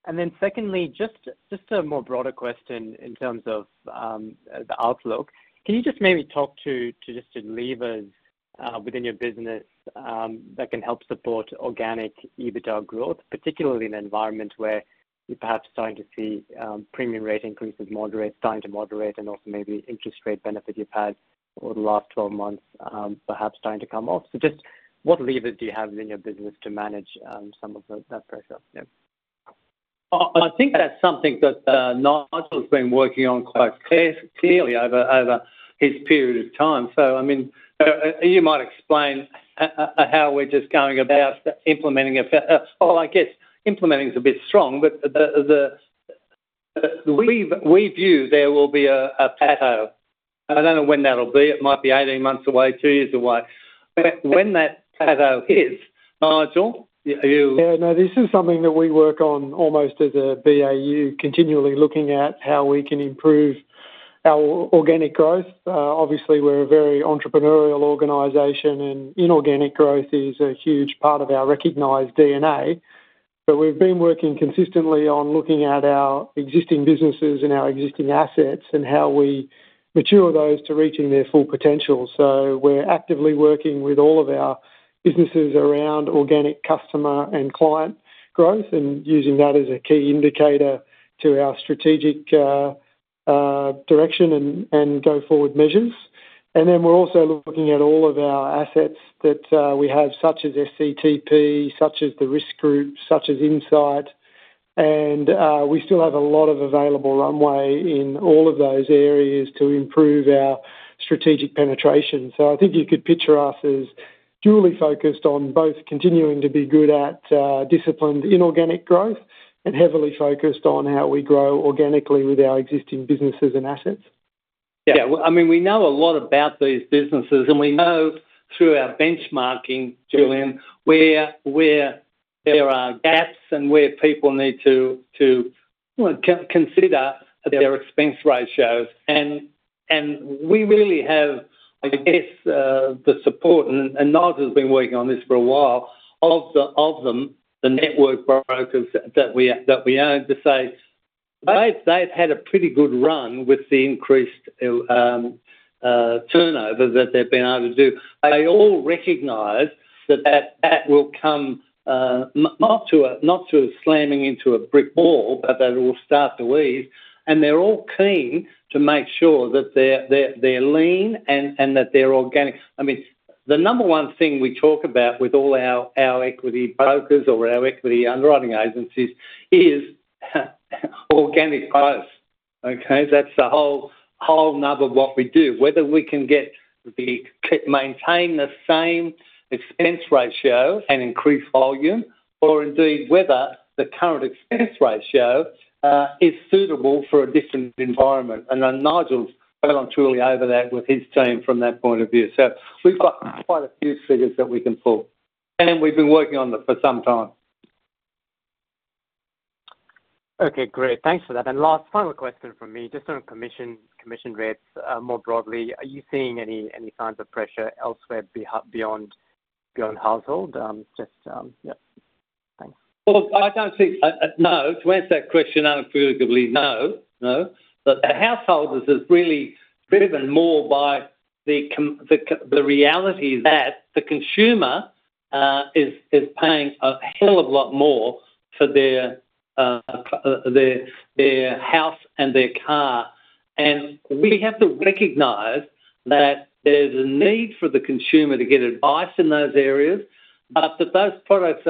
And then secondly, just a more broader question in terms of the outlook. Can you just maybe talk to just some levers within your business that can help support organic EBITDA growth, particularly in an environment where you're perhaps starting to see premium rate increases moderate, starting to moderate, and also maybe interest rate benefit you've had over the last 12 months, perhaps starting to come off? So just what levers do you have in your business to manage some of the, that pressure? Yeah. I think that's something that Nigel's been working on quite clearly over his period of time. So, I mean, you might explain how we're just going about implementing it. Well, I guess implementing is a bit strong, but we view there will be a plateau. I don't know when that'll be. It might be 18 months away, 2 years away. But when that plateau hits, Nigel, you- Yeah, no, this is something that we work on almost as a BAU, continually looking at how we can improve our organic growth. Obviously, we're a very entrepreneurial organization, and inorganic growth is a huge part of our recognized DNA. But we've been working consistently on looking at our existing businesses and our existing assets and how we mature those to reaching their full potential. So we're actively working with all of our businesses around organic customer and client growth, and using that as a key indicator to our strategic direction and go forward measures. And then we're also looking at all of our assets that we have, such as SCTP, such as the Risk Group, such as INSIGHT. And we still have a lot of available runway in all of those areas to improve our strategic penetration. I think you could picture us as dually focused on both continuing to be good at disciplined inorganic growth and heavily focused on how we grow organically with our existing businesses and assets. Yeah. Well, I mean, we know a lot about these businesses, and we know through our benchmarking, Julian, where there are gaps and where people need to well consider their expense ratios. And we really have, I guess, the support, and Nigel has been working on this for a while, of the network brokers that we own, to say they've had a pretty good run with the increased turnover that they've been able to do. They all recognize that that will come not to a slamming into a brick wall, but that it will start to ease, and they're all keen to make sure that they're lean and that they're organic. I mean, the number one thing we talk about with all our, our equity brokers or our equity underwriting agencies is organic growth. Okay? That's the whole, whole nub of what we do, whether we can maintain the same expense ratio and increase volume, or indeed, whether the current expense ratio is suitable for a different environment. And then Nigel's been all over that with his team from that point of view. So we've got quite a few figures that we can pull, and we've been working on them for some time. Okay, great. Thanks for that. And last, final question from me, just on commission, commission rates, more broadly, are you seeing any signs of pressure elsewhere beyond household? Just, yeah. Thanks. Well, I don't see... No, to answer that question, unfavorably, no, no. But the householders is really driven more by the reality that the consumer is paying a hell of a lot more for their their house and their car. And we have to recognize that there's a need for the consumer to get advice in those areas, but those products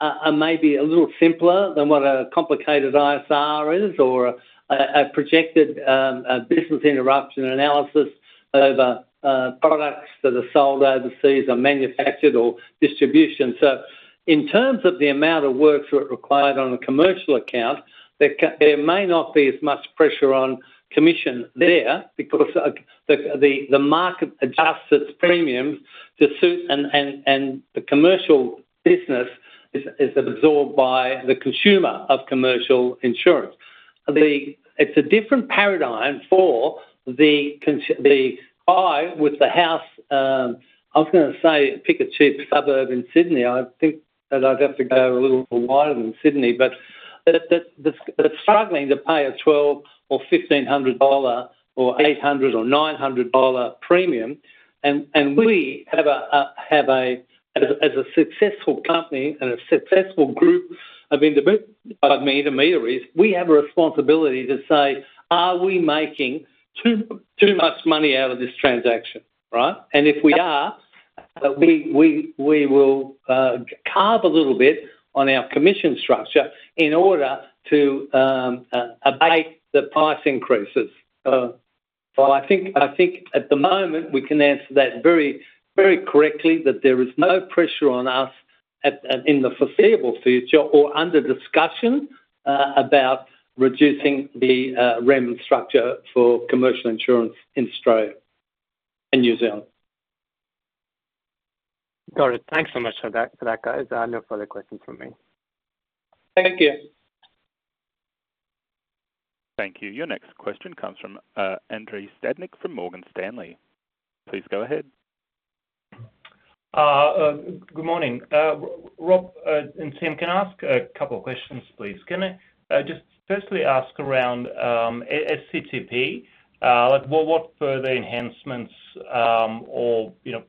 are maybe a little simpler than what a complicated ISR is or a projected a business interruption analysis over products that are sold overseas or manufactured or distribution. So in terms of the amount of work that required on a commercial account, there may not be as much pressure on commission there because the market adjusts its premiums to suit and the commercial business is absorbed by the consumer of commercial insurance. It's a different paradigm for the guy with the house. I was gonna say, pick a cheap suburb in Sydney. I think that I'd have to go a little wider than Sydney, but the struggling to pay a 1,200 or 1,500 dollar or 800 or 900 dollar premium, and we have a... As a successful company and a successful group of intermediaries, we have a responsibility to say: Are we making too much money out of this transaction, right? And if we are, we will carve a little bit on our commission structure in order to abate the price increases. But I think, I think at the moment, we can answer that very, very correctly, that there is no pressure on us, in the foreseeable future or under discussion, about reducing the remuneration structure for commercial insurance in Australia and New Zealand. Got it. Thanks so much for that, for that, guys. No further questions from me. Thank you. Thank you. Your next question comes from, Andrei Stadnik from Morgan Stanley. Please go ahead. Good morning, Rob, and team, can I ask a couple of questions, please? Can I just firstly ask around SCTP, like what further enhancements or, you know,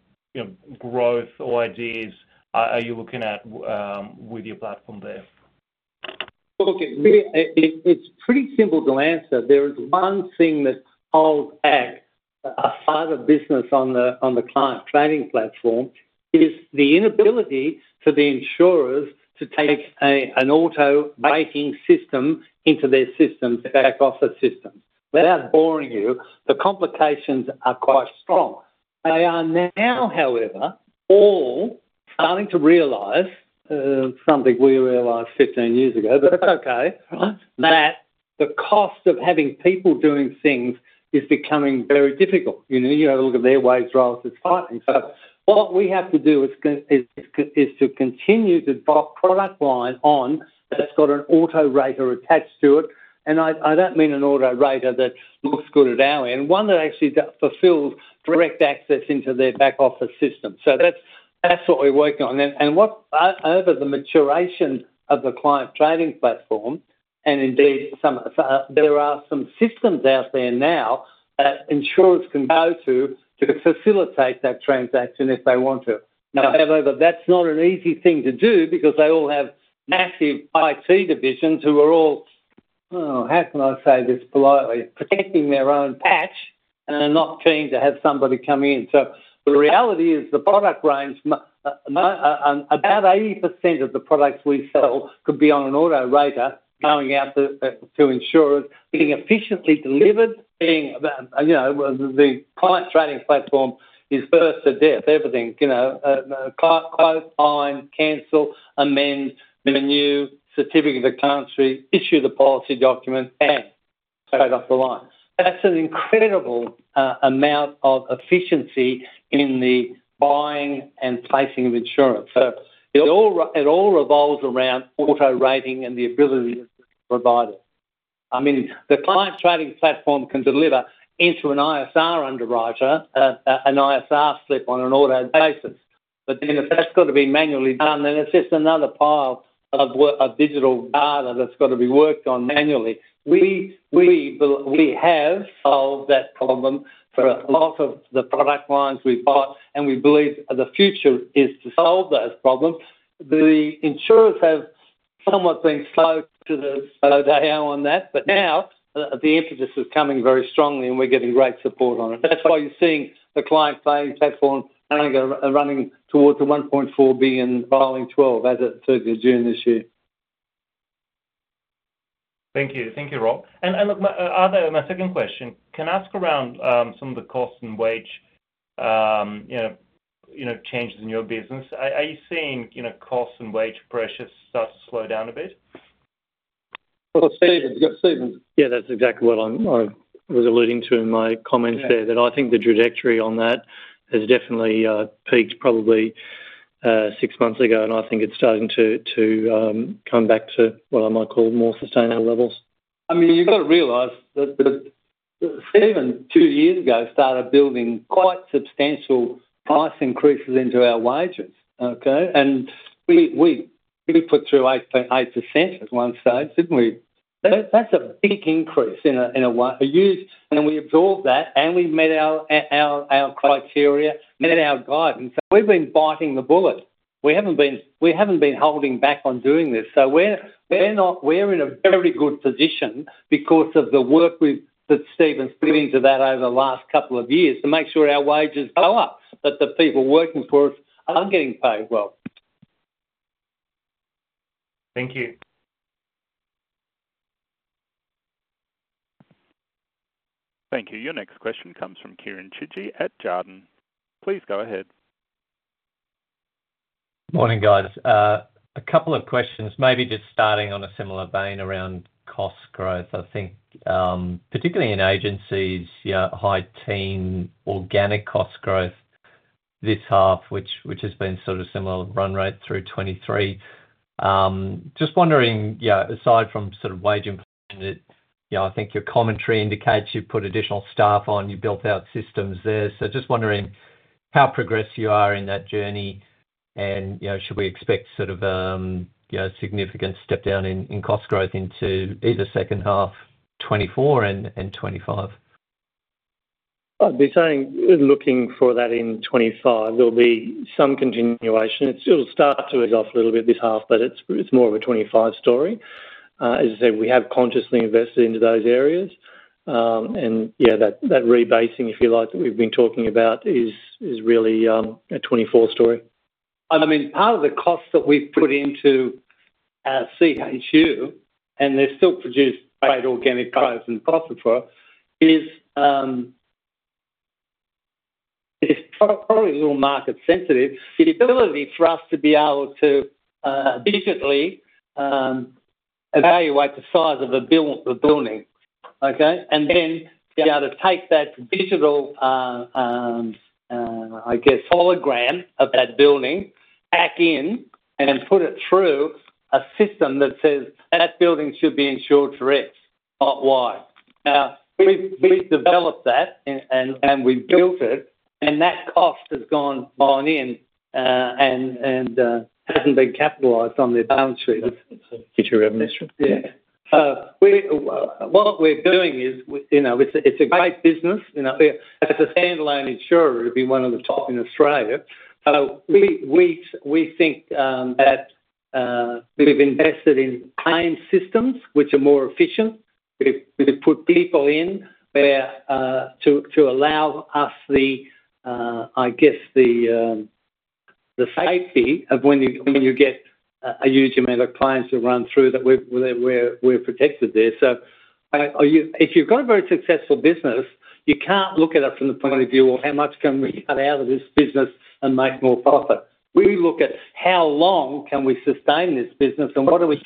growth or ideas are you looking at with your platform there? Look, it’s pretty simple to answer. There is one thing that I’ll add, part of business on the Client Trading Platform is the inability for the insurers to take a, an auto rating system into their systems, back office systems. Without boring you, the complications are quite strong. They are now, however, all starting to realize something we realized 15 years ago, but that’s okay, right? That the cost of having people doing things is becoming very difficult. You know, you gotta look at their wage rise as well. So what we have to do is to continue the product line on, that’s got an auto rater attached to it. And I don’t mean an auto rater that looks good at visually, and one that actually does fulfills direct access into their back office system. So that’s what we’re working on. And over the maturation of the Client Trading Platform, and indeed there are some systems out there now that insurers can go to, to facilitate that transaction if they want to. Now, however, that's not an easy thing to do because they all have massive IT divisions who are all, oh, how can I say this politely? Protecting their own patch and are not keen to have somebody come in. So the reality is, the product range, about 80% of the products we sell could be on an auto rater going out to, to insurers, being efficiently delivered, you know, the Client Trading Platform is first to desk, everything, you know, quote, sign, cancel, amend, renew, certificate of currency, issue the policy document, and straight off the line. That's an incredible amount of efficiency in the buying and placing of insurance. So it all revolves around auto rating and the ability to provide it. I mean, the Client Trading Platform can deliver into an ISR underwriter, an ISR slip on an auto basis. But then if that's got to be manually done, then it's just another pile of digital data that's got to be worked on manually. We have solved that problem for a lot of the product lines we've bought, and we believe the future is to solve those problems. The insurers have somewhat been slow down on that, but now the emphasis is coming very strongly, and we're getting great support on it. That's why you're seeing the Steadfast Client Trading Platform are running towards the 1.4 billion rolling twelve as at 30 June this year. Thank you. Thank you, Rob. And look, my second question, can I ask around some of the costs and wage, you know, you know, changes in your business. Are you seeing, you know, costs and wage pressures start to slow down a bit? Well, Stephen, you've got Stephen. Yeah, that's exactly what I was alluding to in my comments there, that I think the trajectory on that has definitely peaked probably six months ago, and I think it's starting to come back to what I might call more sustainable levels. I mean, you've got to realize that the Stephen two years ago started building quite substantial price increases into our wages, okay? And we put through 8.8% at one stage, didn't we? That's a big increase in a year, and we absorbed that, and we met our criteria, met our guidance. So we've been biting the bullet. We haven't been holding back on doing this, so we're not. We're in a very good position because of the work that Stephen's been into that over the last couple of years, to make sure our wages go up, that the people working for us are getting paid well. Thank you. Thank you. Your next question comes from Kieran Chidgey at Jarden. Please go ahead. Morning, guys. A couple of questions, maybe just starting on a similar vein around cost growth, I think, particularly in agencies, yeah, high teen organic cost growth this half, which has been sort of similar run rate through 2023. Just wondering, yeah, aside from sort of wage inflation, you know, I think your commentary indicates you put additional staff on, you built out systems there. So just wondering how progressive you are in that journey, and, you know, should we expect sort of, you know, significant step down in cost growth into either second half 2024 and 2025? I'd be saying, looking for that in 2025, there'll be some continuation. It'll start to ease off a little bit this half, but it's, it's more of a 2025 story. As I said, we have consciously invested into those areas. And yeah, that, that rebasing, if you like, that we've been talking about is, is really a 2024 story. And I mean, part of the cost that we've put into our CHU, and they've still produced great organic growth and profit for us, is, it's probably a little market sensitive. The ability for us to be able to digitally evaluate the size of a building, okay? And then be able to take that digital, I guess, hologram of that building back in and put it through a system that says, "That building should be insured for X, not Y." Now, we've developed that and we've built it, and that cost has gone in, and hasn't been capitalized on their balance sheet. Future revenue stream. Yeah. What we're doing is, we, you know, it's a great business, you know, as a standalone insurer, it would be one of the top in Australia. We think that we've invested in client systems which are more efficient. We've put people in where to allow us, I guess, the safety of when you get a huge amount of clients that run through that we're protected there. So, if you've got a very successful business, you can't look at it from the point of view of how much can we cut out of this business and make more profit? We look at how long can we sustain this business, and what do we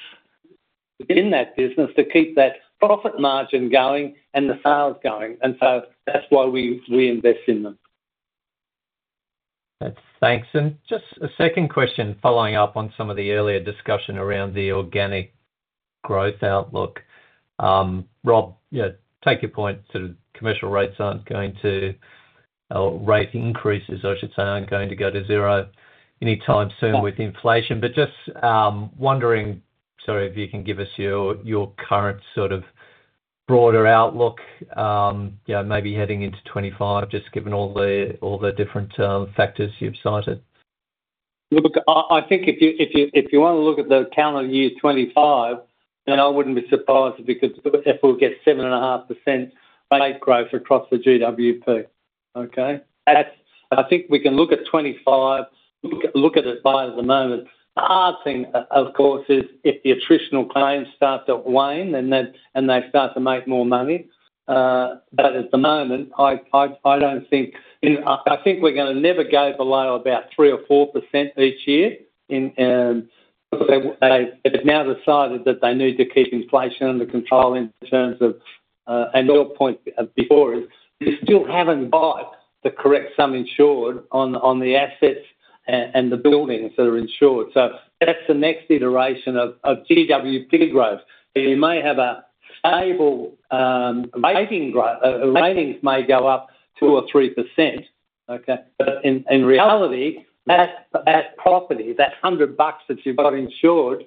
in that business to keep that profit margin going and the sales going. And so that's why we invest in them. Thanks. Just a second question, following up on some of the earlier discussion around the organic growth outlook. Rob, yeah, take your point, sort of commercial rates aren't going to... Or rate increases, I should say, aren't going to go to zero anytime soon- No with inflation. But just wondering, sorry, if you can give us your, your current sort of broader outlook, you know, maybe heading into 2025, just given all the, all the different factors you've cited. Look, I think if you wanna look at the calendar year 2025, then I wouldn't be surprised because if we'll get 7.5% rate growth across the GWP, okay? That's. I think we can look at 25, look at it at the moment. The hard thing, of course, is if the attritional claims start to wane, and then they start to make more money, but at the moment, I don't think. I think we're gonna never go below about 3% or 4% each year in, they have now decided that they need to keep inflation under control in terms of, and your point before is, you still haven't bought the correct sum insured on the assets and the buildings that are insured, so that's the next iteration of GWP growth. So you may have a stable, rating grow, ratings may go up 2%-3%, okay? But in reality, that property, that 100 bucks that you've got insured,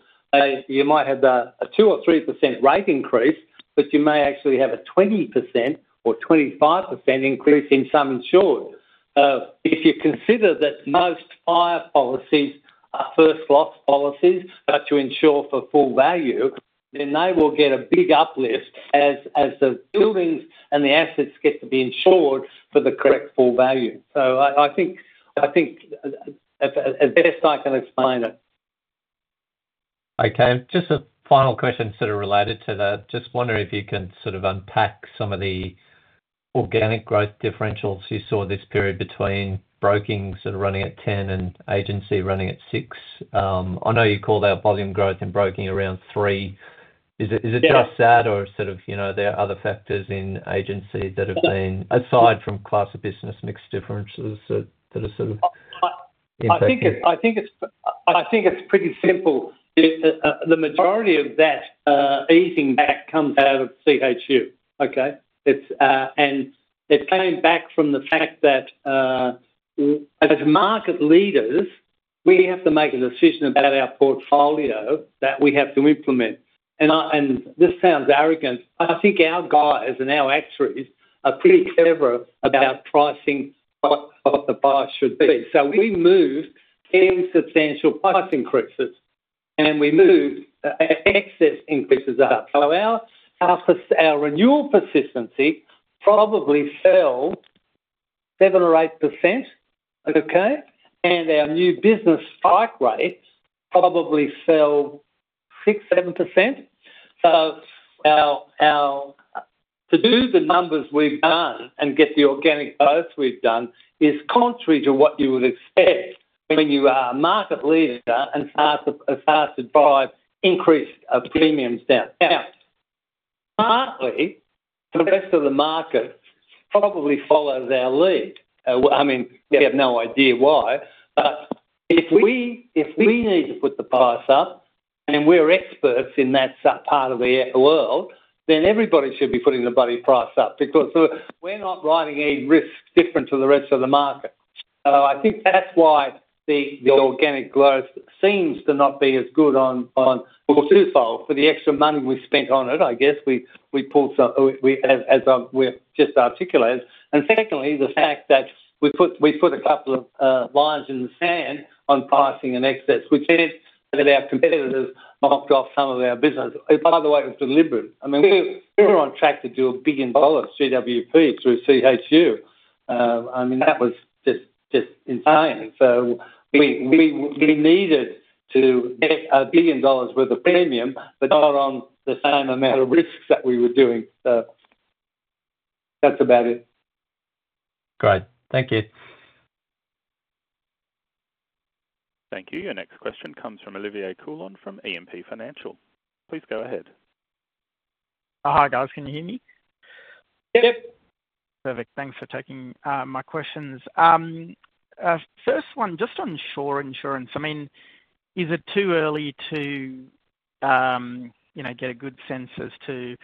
you might have a 2%-3% rate increase, but you may actually have a 20% or 25% increase in sum insured. If you consider that most fire policies are first loss policies, but to insure for full value, then they will get a big uplift as the buildings and the assets get to be insured for the correct full value. So I think as best I can explain it. Okay, just a final question sort of related to that. Just wondering if you can sort of unpack some of the organic growth differentials you saw this period between broking, sort of running at 10 and agency running at six. I know you call that volume growth and broking around three. Yeah. Is it, is it just that or sort of, you know, there are other factors in agency that have been- Well- Aside from class of business mix differences that are sort of- I think it's. in play here. I think it's pretty simple. The majority of that easing back comes out of CHU. Okay? It's and it came back from the fact that, as market leaders, we have to make a decision about our portfolio that we have to implement. And I, and this sounds arrogant, but I think our guys and our actuaries are pretty clever about pricing, what the price should be. So we moved in substantial price increases, and we moved excess increases up. So our renewal persistency probably fell 7 or 8%, okay? And our new business price rates probably fell 6-7%. So our, our... To do the numbers we've done and get the organic growth we've done is contrary to what you would expect when you are a market leader and start to drive increase of premiums down. Now, partly, the rest of the market probably follows our lead. I mean, we have no idea why, but if we need to put the price up, and we're experts in that such part of the world, then everybody should be putting the bloody price up, because we're not writing any risks different to the rest of the market. So I think that's why the organic growth seems to not be as good on... Well, first of all, for the extra money we spent on it, I guess we pulled some- we as, as I'm, we're just articulated. Secondly, the fact that we put a couple of lines in the sand on pricing and excess, which meant that our competitors marked off some of our business. By the way, it was deliberate. I mean, we were on track to do 1 billion dollars GWP through CHU. I mean, that was just insane. So we needed to get 1 billion dollars worth of premium, but not on the same amount of risks that we were doing. So that's about it. Great. Thank you. Thank you. Your next question comes from Olivier Coulon, from E&P Financial. Please go ahead. Oh, hi, guys. Can you hear me? Yep. Perfect. Thanks for taking my questions. First one, just on Sure Insurance, I mean, is it too early to, you know, get a good sense as to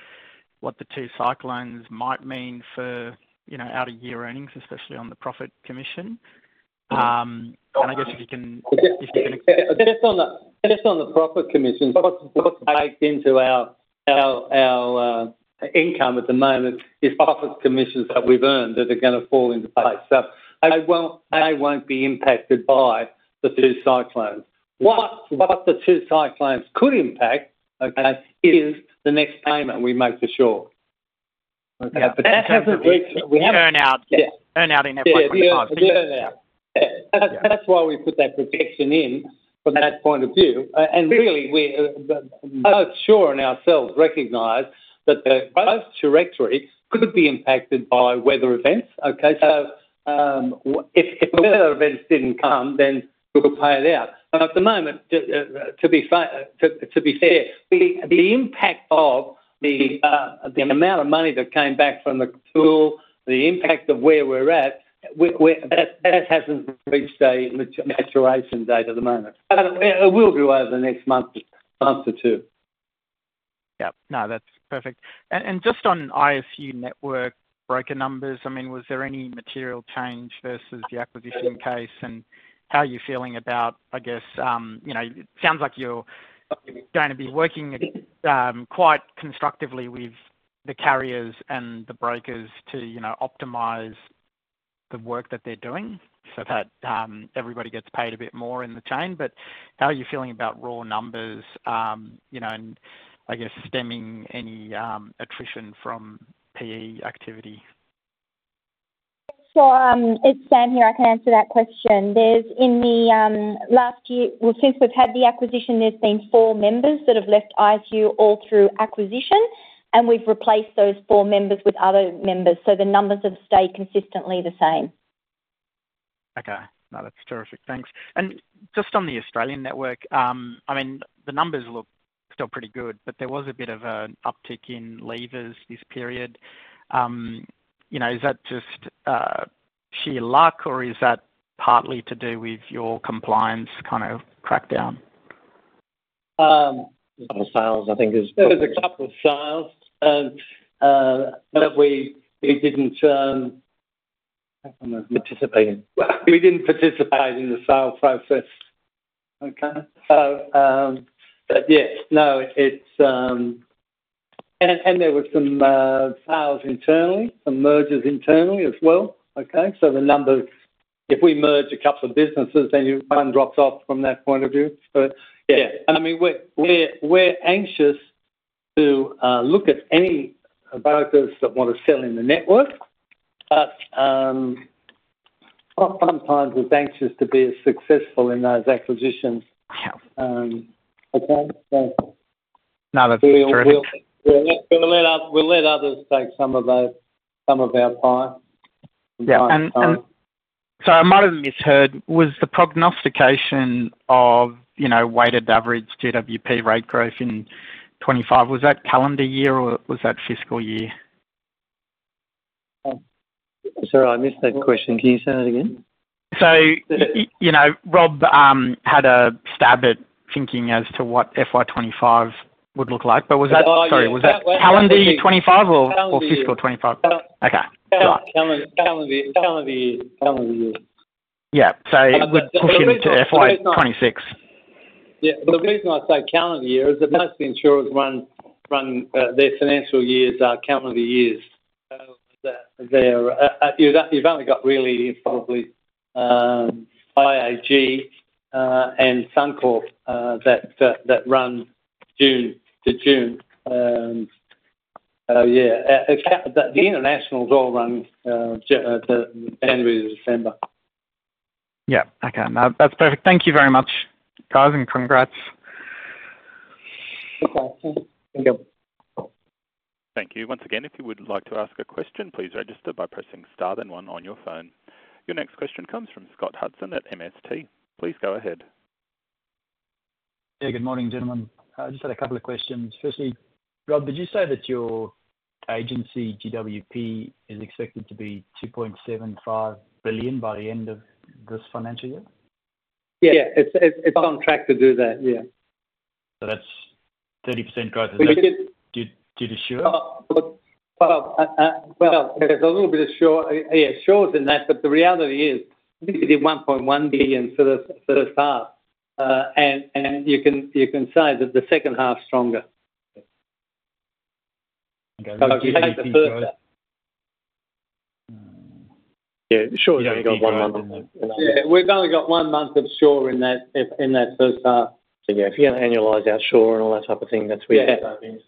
what the two cyclones might mean for, you know, out-of-year earnings, especially on the profit commission? And I guess if you can- Just on the profit commission, what's baked into our income at the moment is profit commissions that we've earned, that are gonna fall into place. So they, well, they won't be impacted by the two cyclones. What the two cyclones could impact, okay, is the next payment we make for sure. Okay, but that hasn't reached- Earn out, earn out in network 25. Yeah, the earn out. Yeah. That's why we put that protection in from that point of view. And really, but Sure and ourselves recognize that the most territory could be impacted by weather events. Okay, so if the weather events didn't come, then we'll pay it out. But at the moment, to be fair, the impact of the amount of money that came back from the pool, the impact of where we're at, that hasn't reached a maturation date at the moment. It will do over the next month or two. Yeah. No, that's perfect. And just on ISU network broker numbers, I mean, was there any material change versus the acquisition case? And how are you feeling about, I guess, you know, it sounds like you're going to be working quite constructively with the carriers and the brokers to, you know, optimize the work that they're doing so that everybody gets paid a bit more in the chain. But how are you feeling about raw numbers, you know, and I guess stemming any attrition from PE activity? It's Sam here. I can answer that question. Well, since we've had the acquisition, there's been four members that have left ISU all through acquisition, and we've replaced those four members with other members, so the numbers have stayed consistently the same. Okay. No, that's terrific. Thanks. And just on the Australian network, I mean, the numbers look still pretty good, but there was a bit of an uptick in leavers this period. You know, is that just sheer luck, or is that partly to do with your compliance kind of crackdown? A couple of sales, I think is- There was a couple of sales, but we didn't, Participate in. We didn't participate in the sales process. Okay. So, but yes, no, it's... And there were some sales internally, some mergers internally as well, okay? So the number, if we merge a couple of businesses, then one drops off from that point of view. But yeah, I mean, we're anxious to look at any brokers that want to sell in the network, but sometimes we're anxious to be as successful in those acquisitions. Yeah. Okay, so. No, that's true. We'll let others take some of those, some of our time. Yeah. And so I might have misheard: Was the prognostication of, you know, weighted average GWP rate growth in 25, was that calendar year, or was that fiscal year? Sorry, I missed that question. Can you say that again? So, you know, Rob had a stab at thinking as to what FY 2025 would look like. But was that- Oh, yeah. Sorry, was that calendar 2025 or- Calendar. Or fiscal 25? Calender Okay, got it. Calendar, calendar year, calendar year. Yeah. So it would push into FY 2026. Yeah. The reason I say calendar year is that most insurers run their financial years calendar years. So that, they're, you've only got really, probably, IAG and Suncorp that run June to June. Yeah, except that the internationals all run to January to December. Yeah. Okay. No, that's perfect. Thank you very much, guys, and congrats. Thank you. Thank you. Thank you. Once again, if you would like to ask a question, please register by pressing star then one on your phone. Your next question comes from Scott Hudson at MST. Please go ahead. Yeah, good morning, gentlemen. I just had a couple of questions. Firstly, Rob, did you say that your agency, GWP, is expected to be 2.75 billion by the end of this financial year? Yeah, it's on track to do that, yeah. That's 30% growth- We did it to Sure? Well, there's a little bit of Sure, yeah, Sure's in that, but the reality is, we did 1.1 billion for the first half. And you can say that the second half's stronger. Okay. If you take the first half. Yeah, Sure has only got one month. Yeah, we've only got one month of Sure in that first half. So, yeah, if you annualize our Sure and all that type of thing, that's where-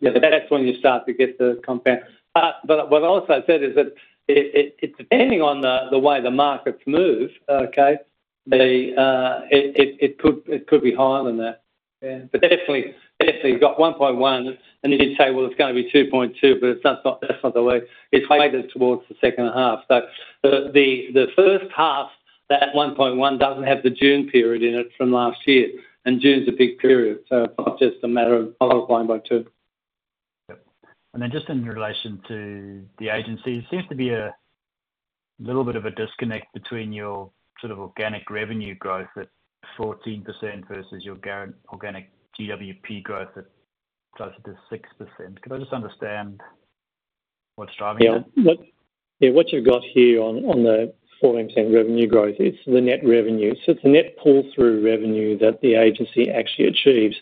Yeah. That's when you start to get the compound... But what I also said is that it, depending on the way the markets move, okay, it could be higher than that. Yeah, but definitely got 1.1, and you could say, well, it's gonna be 2.2, but that's not the way it's weighted towards the second half. So the first half, that 1.1 doesn't have the June period in it from last year, and June's a big period, so it's not just a matter of multiplying by two. Yep. And then just in relation to the agency, there seems to be a little bit of a disconnect between your sort of organic revenue growth at 14% versus your organic GWP growth at closer to 6%. Could I just understand?... What's driving that? Yeah, what you've got here on the 4% revenue growth, it's the net revenue. So it's the net pull-through revenue that the agency actually achieves.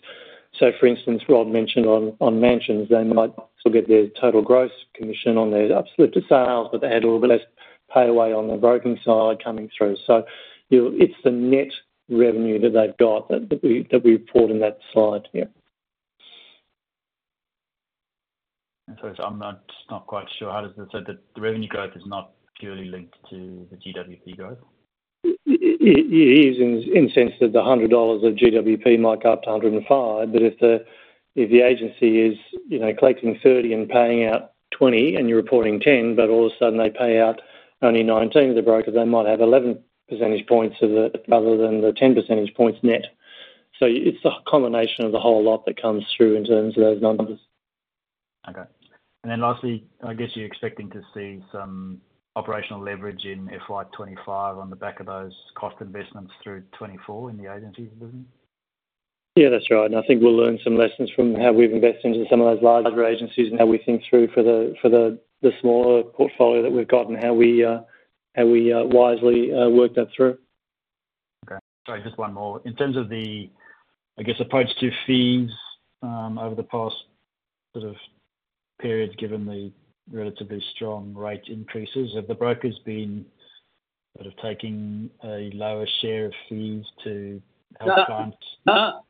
So for instance, Rob mentioned on Mansions, they might still get their total gross commission on their uplifted sales, but they had a little bit less pay away on the broking side coming through. So you'll—it's the net revenue that they've got that we report in that slide. Yeah. I'm not quite sure. How does so the revenue growth is not purely linked to the GWP growth? It is in the sense that 100 dollars of GWP might go up to 105, but if the agency is, you know, collecting 30 and paying out 20, and you're reporting 10, but all of a sudden they pay out only 19 to the broker, they might have 11 percentage points of it, other than the 10 percentage points net. So it's a combination of the whole lot that comes through in terms of those numbers. Okay. Then lastly, I guess you're expecting to see some operational leverage in FY 25 on the back of those cost investments through 24 in the agency business? Yeah, that's right. And I think we'll learn some lessons from how we've invested into some of those larger agencies, and how we think through for the smaller portfolio that we've got, and how we wisely work that through. Okay. Sorry, just one more. In terms of the, I guess, approach to fees over the past sort of period, given the relatively strong rate increases, have the brokers been sort of taking a lower share of fees to help clients? No.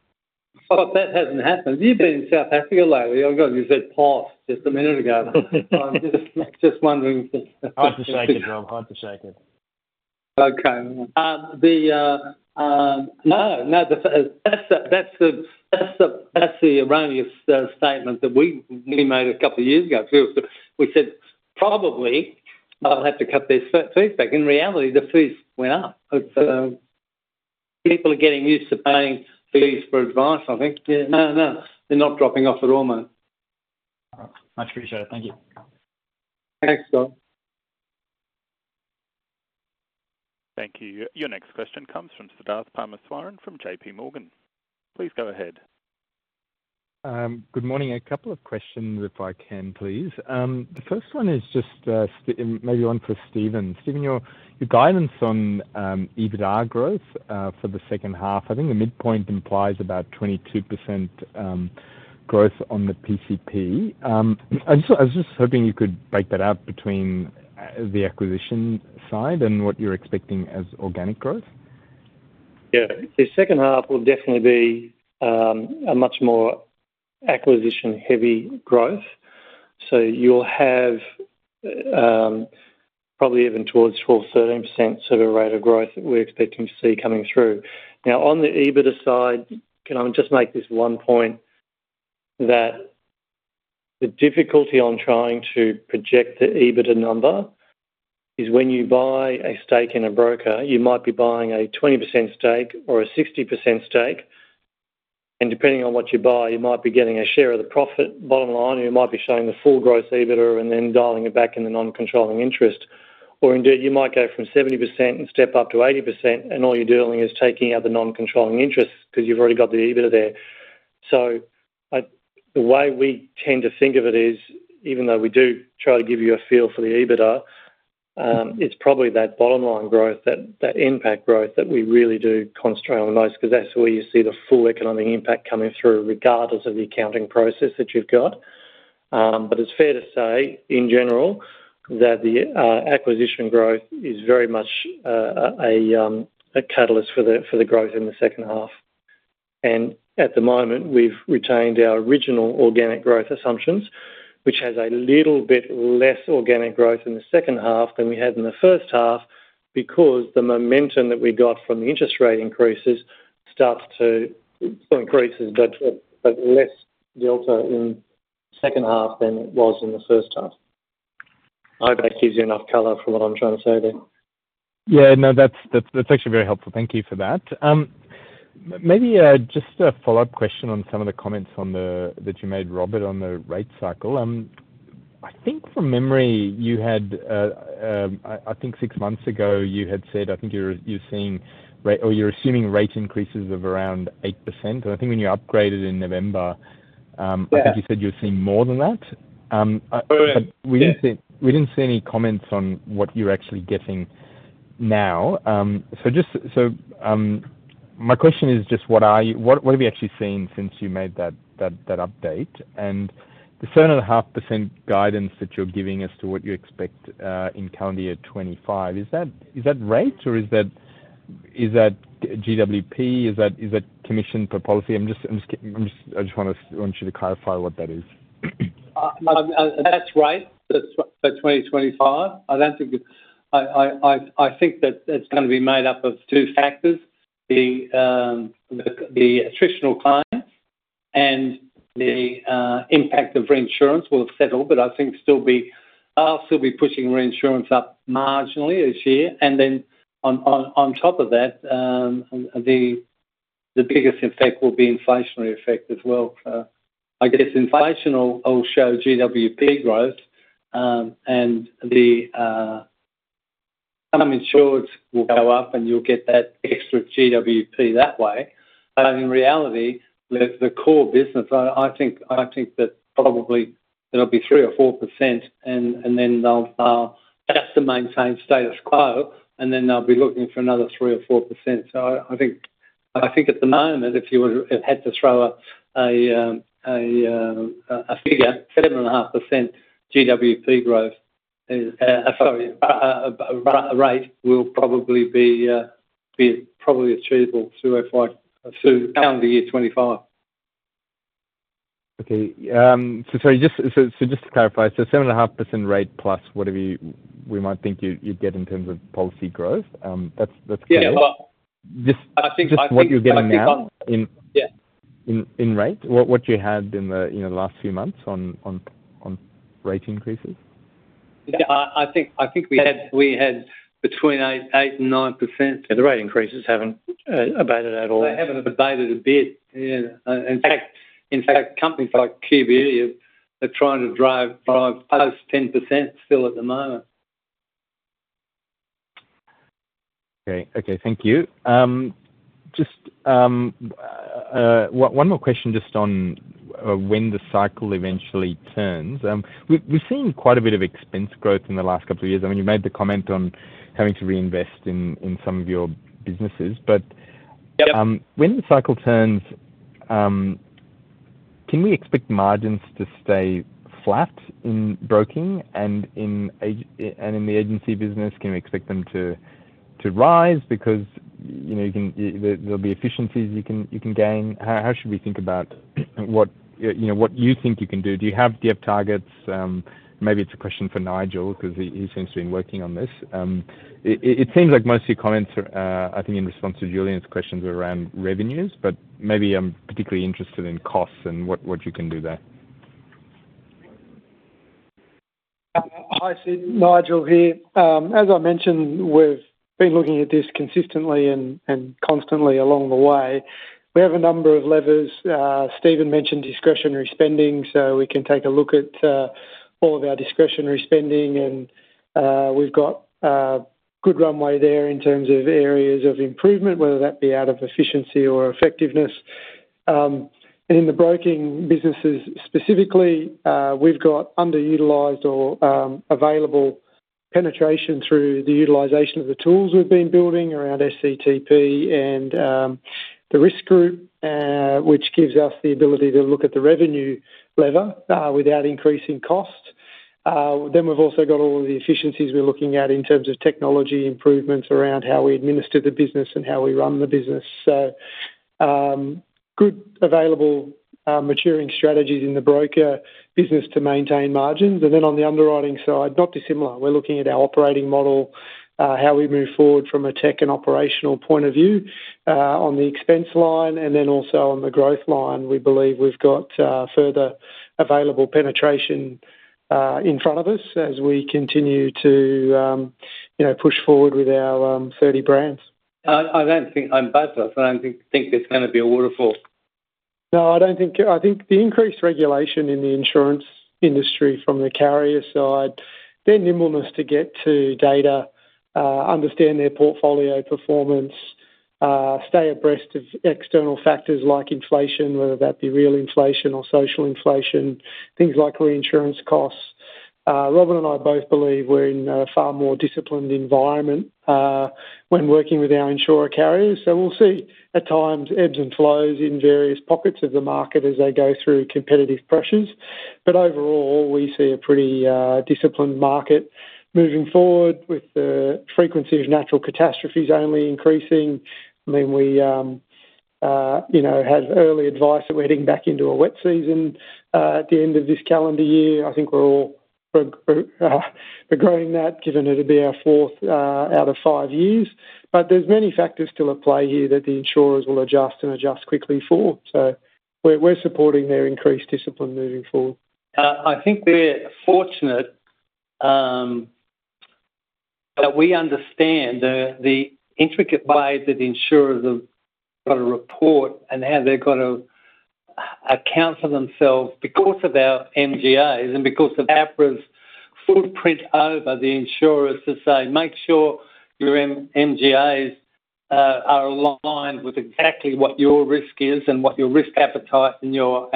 Oh, that hasn't happened. You've been in South Africa lately. Oh, God, you said past just a minute ago. I'm just, just wondering- Hard to shake it, Rob. Hard to shake it. Okay. No, that's the erroneous statement that we made a couple of years ago. We said, probably they'll have to cut their fees back. In reality, the fees went up. People are getting used to paying fees for advice, I think. Yeah. No, no, they're not dropping off at all, mate. All right. Much appreciated. Thank you. Thanks, Rob. Thank you. Your next question comes from Siddharth Parameswaran from JPMorgan. Please go ahead. Good morning. A couple of questions if I can, please. The first one is just, maybe one for Stephen. Stephen, your guidance on EBITDA growth for the second half, I think the midpoint implies about 22% growth on the PCP. I was just hoping you could break that out between the acquisition side and what you're expecting as organic growth. Yeah. The second half will definitely be, a much more acquisition-heavy growth. So you'll have, probably even towards 12%-13% sort of rate of growth that we're expecting to see coming through. Now, on the EBITDA side, can I just make this one point? That the difficulty on trying to project the EBITDA number is when you buy a stake in a broker, you might be buying a 20% stake or a 60% stake, and depending on what you buy, you might be getting a share of the profit bottom line, or you might be showing the full gross EBITDA and then dialing it back in the non-controlling interest. Or indeed, you might go from 70% and step up to 80%, and all you're doing is taking out the non-controlling interest because you've already got the EBITDA there. So, the way we tend to think of it is, even though we do try to give you a feel for the EBITDA, it's probably that bottom line growth, that impact growth that we really do concentrate on the most because that's where you see the full economic impact coming through, regardless of the accounting process that you've got. But it's fair to say, in general, that the acquisition growth is very much a catalyst for the growth in the second half. At the moment, we've retained our original organic growth assumptions, which has a little bit less organic growth in the second half than we had in the first half because the momentum that we got from the interest rate increases starts to, still increases, but, but less delta in second half than it was in the first half. I hope that gives you enough color for what I'm trying to say there. Yeah. No, that's actually very helpful. Thank you for that. Maybe just a follow-up question on some of the comments on the—that you made, Robert, on the rate cycle. I think from memory, you had, I think six months ago, you had said, I think you're seeing or you're assuming rate increases of around 8%. And I think when you upgraded in November, Yeah I think you said you were seeing more than that. Go ahead. Yeah. We didn't see any comments on what you're actually getting now. So my question is just: What have you actually seen since you made that update? And the 7.5% guidance that you're giving as to what you expect in calendar year 2025, is that rates or is that GWP? Is that commission per policy? I'm just, I just want to, want you to clarify what that is. That's right, that's for 2025. I don't think I think that that's gonna be made up of two factors: the attritional claims and the impact of reinsurance will have settled, but I think still be pushing reinsurance up marginally this year. And then on top of that, the biggest effect will be inflationary effect as well. I guess inflation will show GWP growth, and Some insureds will go up and you'll get that extra GWP that way. But in reality, the core business, I think that probably it'll be 3% or 4%, and then they'll just to maintain status quo, and then they'll be looking for another 3% or 4%. So I think at the moment, if you had to throw a figure, 7.5% GWP growth is a rate that will probably be achievable through calendar year 2025. Okay. Sorry, just to clarify, 7.5% rate, plus whatever we might think you'd get in terms of policy growth, that's clear? Yeah. Just- I think- Just what you're getting now- Yeah In rate, what you had in the, you know, last few months on rate increases? Yeah, I think we had between 8 and 9%. Yeah, the rate increases haven't abated at all. They haven't abated a bit. Yeah. In fact, companies like QBE are trying to drive plus 10% still at the moment. Okay. Okay, thank you. Just one more question just on when the cycle eventually turns. We've seen quite a bit of expense growth in the last couple of years. I mean, you made the comment on having to reinvest in some of your businesses. But- Yep When the cycle turns, can we expect margins to stay flat in broking and in agency and in the agency business, can we expect them to rise because, you know, you can... There'll be efficiencies you can gain? How should we think about what, you know, what you think you can do? Do you have targets? Maybe it's a question for Nigel, 'cause he seems to be working on this. It seems like most of your comments are, I think in response to Julian's questions were around revenues, but maybe I'm particularly interested in costs and what you can do there. Hi, Sid, Nigel here. As I mentioned, we've been looking at this consistently and constantly along the way. We have a number of levers. Stephen mentioned discretionary spending, so we can take a look at all of our discretionary spending and we've got good runway there in terms of areas of improvement, whether that be out of efficiency or effectiveness. And in the broking businesses specifically, we've got underutilized or available penetration through the utilization of the tools we've been building around SCTP and the Risk Group, which gives us the ability to look at the revenue lever without increasing cost. Then we've also got all of the efficiencies we're looking at in terms of technology improvements around how we administer the business and how we run the business. So, good available maturing strategies in the broker business to maintain margins. And then on the underwriting side, not dissimilar. We're looking at our operating model, how we move forward from a tech and operational point of view, on the expense line and then also on the growth line. We believe we've got further available penetration in front of us as we continue to, you know, push forward with our 30 brands. I don't think I'm badass. I don't think it's gonna be a waterfall. No, I don't think... I think the increased regulation in the insurance industry from the carrier side, their nimbleness to get to data, understand their portfolio performance, stay abreast of external factors like inflation, whether that be real inflation or social inflation, things like reinsurance costs. Rob and I both believe we're in a far more disciplined environment, when working with our insurer carriers. So we'll see, at times, ebbs and flows in various pockets of the market as they go through competitive pressures. But overall, we see a pretty, disciplined market moving forward with the frequency of natural catastrophes only increasing. I mean, we, you know, had early advice that we're heading back into a wet season, at the end of this calendar year. I think we're all for, for growing that, given it'll be our fourth out of five years. But there's many factors still at play here that the insurers will adjust and adjust quickly for. So we're, we're supporting their increased discipline moving forward. I think we're fortunate that we understand the intricate way that the insurers have got to report and how they've got to account for themselves because of our MGAs and because of APRA's footprint over the insurers to say: Make sure your MGAs are aligned with exactly what your risk is and what your risk appetite and your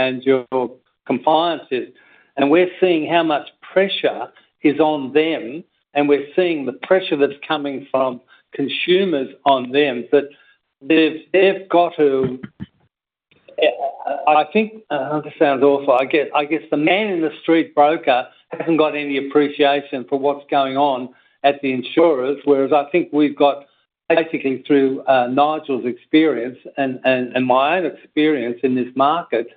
compliance is. And we're seeing how much pressure is on them, and we're seeing the pressure that's coming from consumers on them. But they've got to, I think, this sounds awful. I guess the man in the street broker hasn't got any appreciation for what's going on at the insurers, whereas I think we've got basically through Nigel's experience and my own experience in this market,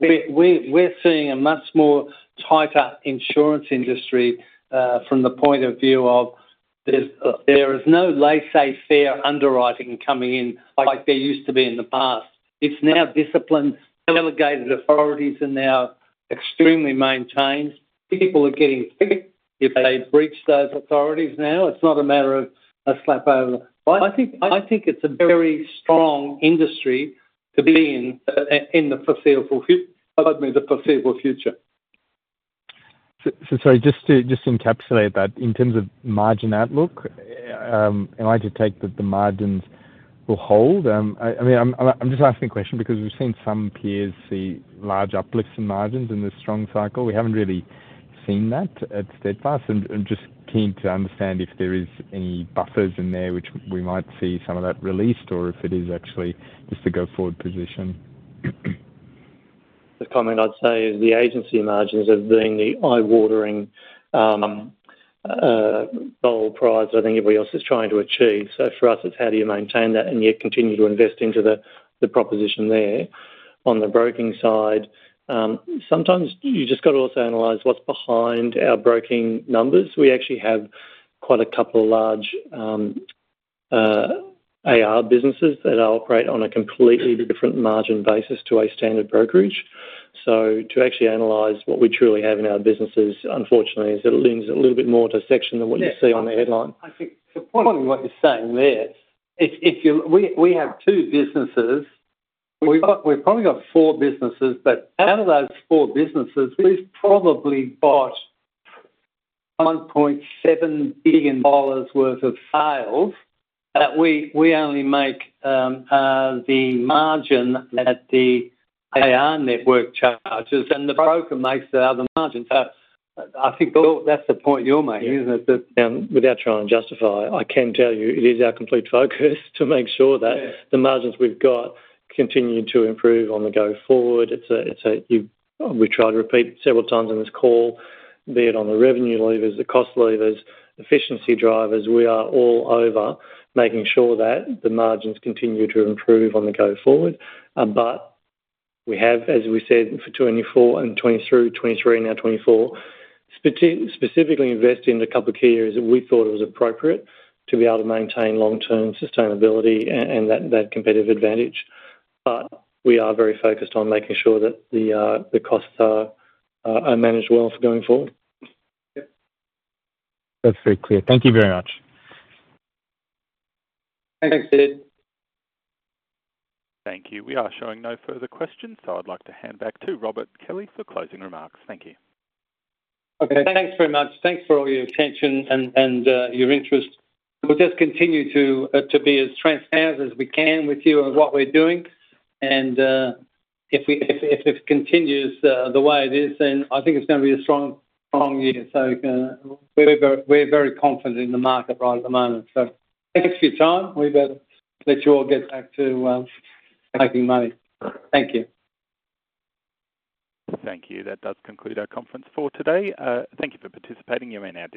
we're seeing a much more tighter insurance industry from the point of view of there is no laissez-faire underwriting coming in, like there used to be in the past. It's now disciplined. Delegated authorities are now extremely maintained. People are getting picked if they breach those authorities now. It's not a matter of a slap over. I think it's a very strong industry to be in in the foreseeable future. So, so sorry, just to, just to encapsulate that, in terms of margin outlook, am I to take that the margins will hold? I mean, I'm just asking the question because we've seen some peers see large uplifts in margins in this strong cycle. We haven't really seen that at Steadfast, and just keen to understand if there is any buffers in there which we might see some of that released, or if it is actually just a go-forward position. The comment I'd say is the agency margins have been the eye-watering holy grail I think everybody else is trying to achieve. So for us, it's how do you maintain that and yet continue to invest into the proposition there? On the broking side, sometimes you just gotta also analyze what's behind our broking numbers. We actually have quite a couple of large AR businesses that operate on a completely different margin basis to a standard brokerage. So to actually analyze what we truly have in our businesses, unfortunately, is. It leans a little bit more to the second than what you see on the headline. I think the point of what you're saying there. We have two businesses. We've probably got four businesses, but out of those four businesses, we've probably got 1.7 billion dollars worth of sales that we only make the margin at the AR Network charges, and the broker makes the other margin. So I think that's the point you're making, isn't it? That- Without trying to justify, I can tell you it is our complete focus to make sure that- Yeah The margins we've got continue to improve on the go forward. It's a, we tried to repeat several times on this call, be it on the revenue levers, the cost levers, efficiency drivers, we are all over making sure that the margins continue to improve on the go forward. But we have, as we said, for 2024 and 2023, 2023, now 2024, specifically invest in a couple of key areas that we thought it was appropriate to be able to maintain long-term sustainability and that competitive advantage. But we are very focused on making sure that the costs are managed well for going forward. Yep. That's very clear. Thank you very much. Thanks, Sidd. Thank you. We are showing no further questions, so I'd like to hand back to Robert Kelly for closing remarks. Thank you. Okay, thanks very much. Thanks for all your attention and your interest. We'll just continue to be as transparent as we can with you on what we're doing, and if it continues the way it is, then I think it's gonna be a strong, strong year. So, we're very confident in the market right at the moment. So thanks for your time. We better let you all get back to making money. Thank you. Thank you. That does conclude our conference for today. Thank you for participating. You may now disconnect.